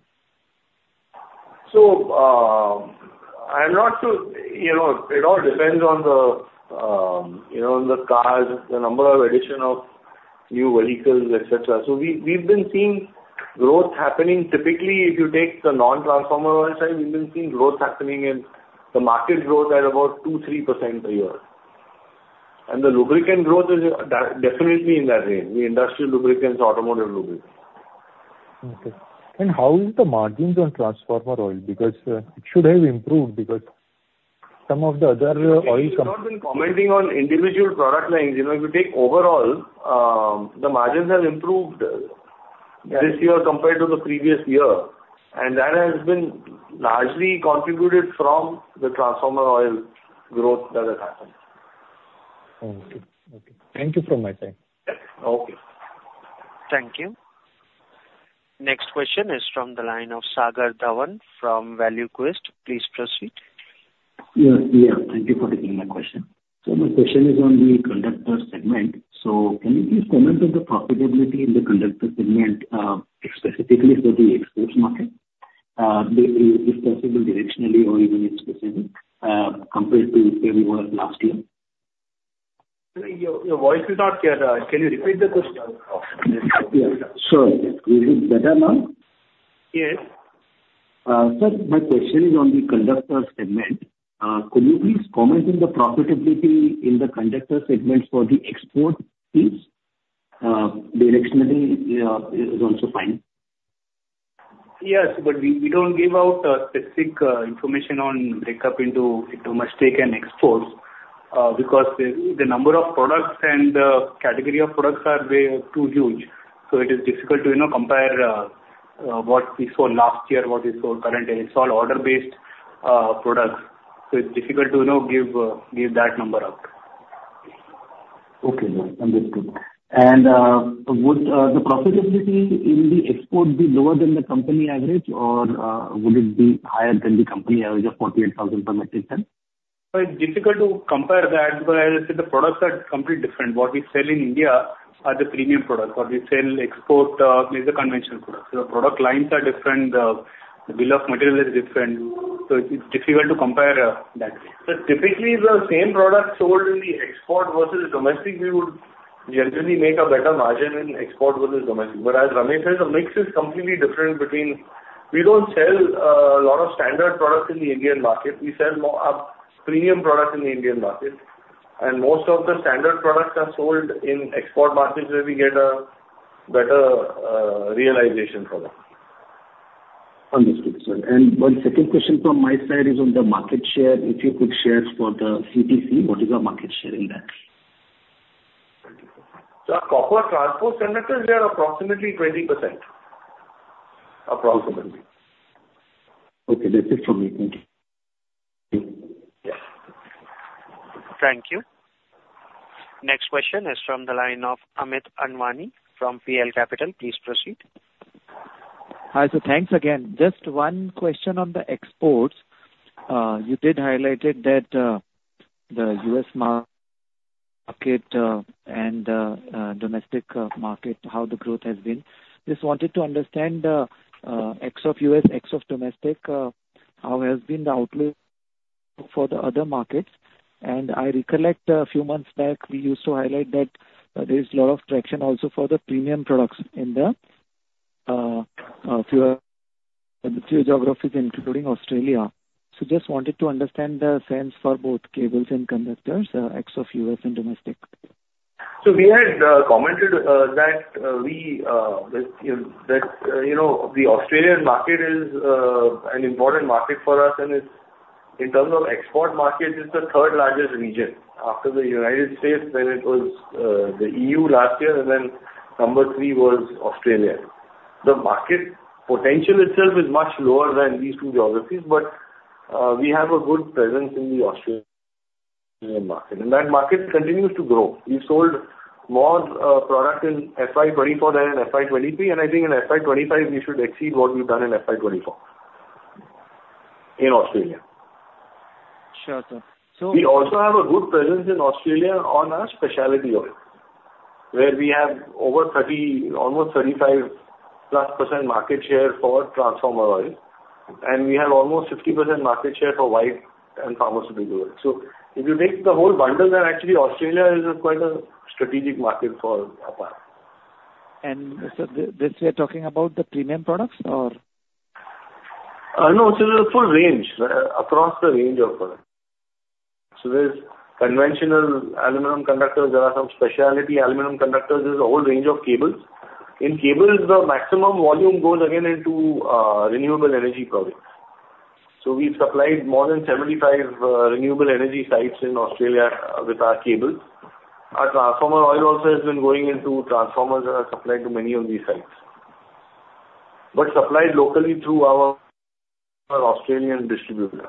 So I'm not sure. It all depends on the cars, the number of addition of new vehicles, etc. So we've been seeing growth happening. Typically, if you take the non-transformer oil side, we've been seeing growth happening in the market growth at about 2%-3% per year. And the lubricant growth is definitely in that range, the industrial lubricants, automotive lubricants. Okay. And how is the margins on transformer oil? Because it should have improved because some of the other oil companies. If you've not been commenting on individual product lines, if you take overall, the margins have improved this year compared to the previous year. And that has been largely contributed from the transformer oil growth that has happened. Okay, okay. Thank you from my side. Okay. Thank you. Next question is from the line of Sagar Dhawan from ValueQuest. Please proceed. Yeah, yeah. Thank you for taking my question. So my question is on the conductor segment. So can you please comment on the profitability in the conductor segment specifically for the export market, if possible directionally or even if specific, compared to where we were last year? Your voice is not clear. Can you repeat the question? Yeah. Sure. Is it better now? Yes. Sir, my question is on the conductor segment. Could you please comment on the profitability in the conductor segments for the export piece? Directionally is also fine. Yes, but we don't give out specific information on breakup into domestic and exports because the number of products and the category of products are too huge. So it is difficult to compare what we saw last year, what we saw current day. It's all order-based products. So it's difficult to give that number out. Okay, understood. And would the profitability in the export be lower than the company average, or would it be higher than the company average of 48,000 per metric ton? It's difficult to compare that because the products are completely different. What we sell in India are the premium products. What we sell, export, is the conventional products. So the product lines are different. The bill of material is different. So it's difficult to compare that way. So typically, the same product sold in the export versus domestic, we would generally make a better margin in export versus domestic. But as Ramesh says, the mix is completely different between we don't sell a lot of standard products in the Indian market. We sell more premium products in the Indian market. Most of the standard products are sold in export markets where we get a better realization from them. Understood, sir. One second question from my side is on the market share. If you could share for the CTC, what is our market share in that? So our copper transposed conductors, they are approximately 20%, approximately. Okay. That's it from me. Thank you. Yes. Thank you. Next question is from the line of Amit Anwani from PL Capital. Please proceed. Hi. So thanks again. Just one question on the exports. You did highlight that the U.S. market and domestic market, how the growth has been. Just wanted to understand ex-U.S., ex-domestic, how has been the outlook for the other markets? And I recollect a few months back, we used to highlight that there is a lot of traction also for the premium products in the few geographies, including Australia. So just wanted to understand the sense for both cables and conductors, ex-U.S. and domestic. We had commented that the Australian market is an important market for us. In terms of export markets, it's the third largest region after the United States, then it was the EU last year, and then number three was Australia. The market potential itself is much lower than these two geographies, but we have a good presence in the Australian market. That market continues to grow. We've sold more product in FY 2024 than in FY 2023. I think in FY 2025, we should exceed what we've done in FY 2024 in Australia. Sure, sir. So. We also have a good presence in Australia on our specialty oil where we have almost 35%+ market share for transformer oil. And we have almost 50% market share for white and pharmaceutical oil. So if you take the whole bundle, then actually, Australia is quite a strategic market for APAR. And so this we are talking about the premium products, or? No. So there's a full range across the range of products. So there's conventional aluminum conductors. There are some specialty aluminum conductors. There's a whole range of cables. In cables, the maximum volume goes again into renewable energy products. So we've supplied more than 75 renewable energy sites in Australia with our cables. Our transformer oil also has been going into transformers that are supplied to many of these sites, but supplied locally through our Australian distributor. Sure, sir.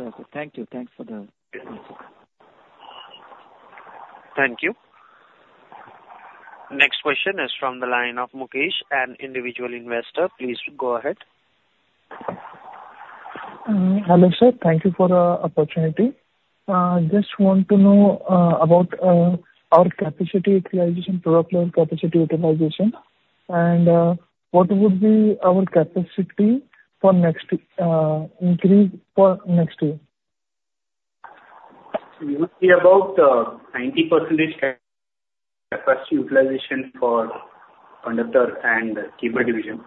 Thank you. Thanks for the answer. Thank you. Next question is from the line of Mukesh, an individual investor. Please go ahead. Hi, Mukesh. Thank you for the opportunity. I just want to know about our capacity utilization, product level capacity utilization, and what would be our capacity for next year? We would see about 90% capacity utilization for conductor and cable division.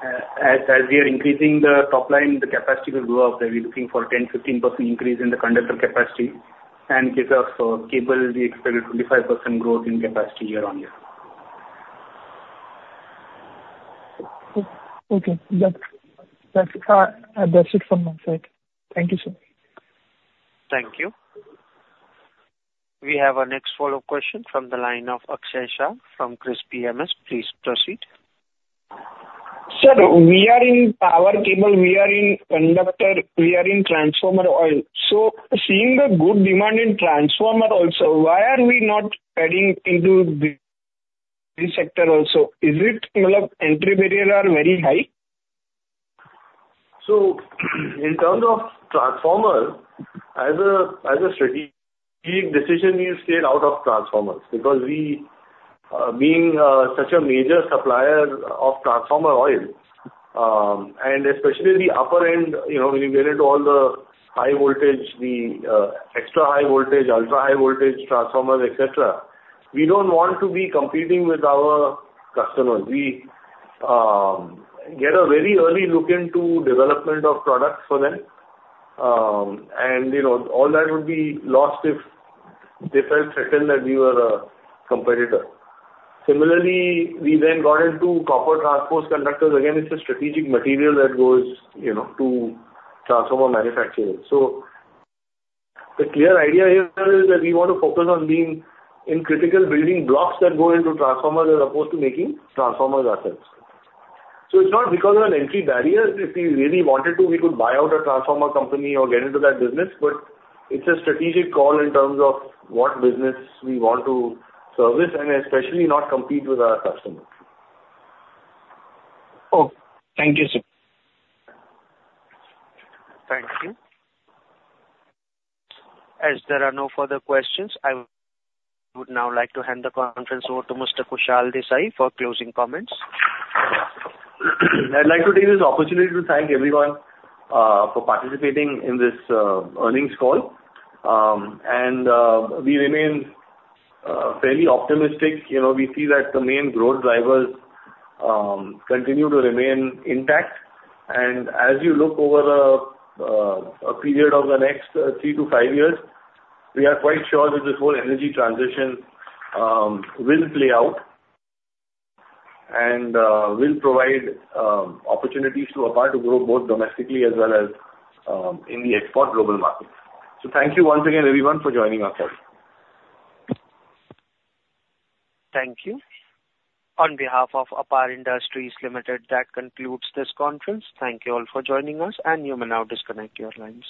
As we are increasing the top line, the capacity will go up. We're looking for a 10%-15% increase in the conductor capacity. In case of cable, we expect a 25% growth in capacity year on year. Okay. That's it from my side. Thank you, sir. Thank you. We have a next follow-up question from the line of Akshay Shah from KRIIS PMS. Please proceed. Sir, we are in power cable. We are in conductor. We are in transformer oil. So seeing the good demand in transformer also, why are we not adding into this sector also? Is it, I mean, entry barriers are very high? So in terms of transformers, as a strategic decision, we've stayed out of transformers because being such a major supplier of transformer oil, and especially the upper end, when you get into all the extra high voltage, ultra high voltage transformers, etc., we don't want to be competing with our customers. We get a very early look into development of products for them. And all that would be lost if they felt threatened that we were a competitor. Similarly, we then got into copper transposed conductors. Again, it's a strategic material that goes to transformer manufacturing. So the clear idea here is that we want to focus on being in critical building blocks that go into transformers as opposed to making transformers ourselves. So it's not because of an entry barrier. If we really wanted to, we could buy out a transformer company or get into that business. It's a strategic call in terms of what business we want to service and especially not compete with our customers. Oh, thank you, sir. Thank you. As there are no further questions, I would now like to hand the conference over to Mr. Kushal Desai for closing comments. I'd like to take this opportunity to thank everyone for participating in this earnings call. We remain fairly optimistic. We see that the main growth drivers continue to remain intact. As you look over a period of the next three to five years, we are quite sure that this whole energy transition will play out and will provide opportunities to Apar to grow both domestically as well as in the export global market. So thank you once again, everyone, for joining us today. Thank you. On behalf of APAR Industries Limited, that concludes this conference. Thank you all for joining us. You may now disconnect your lines.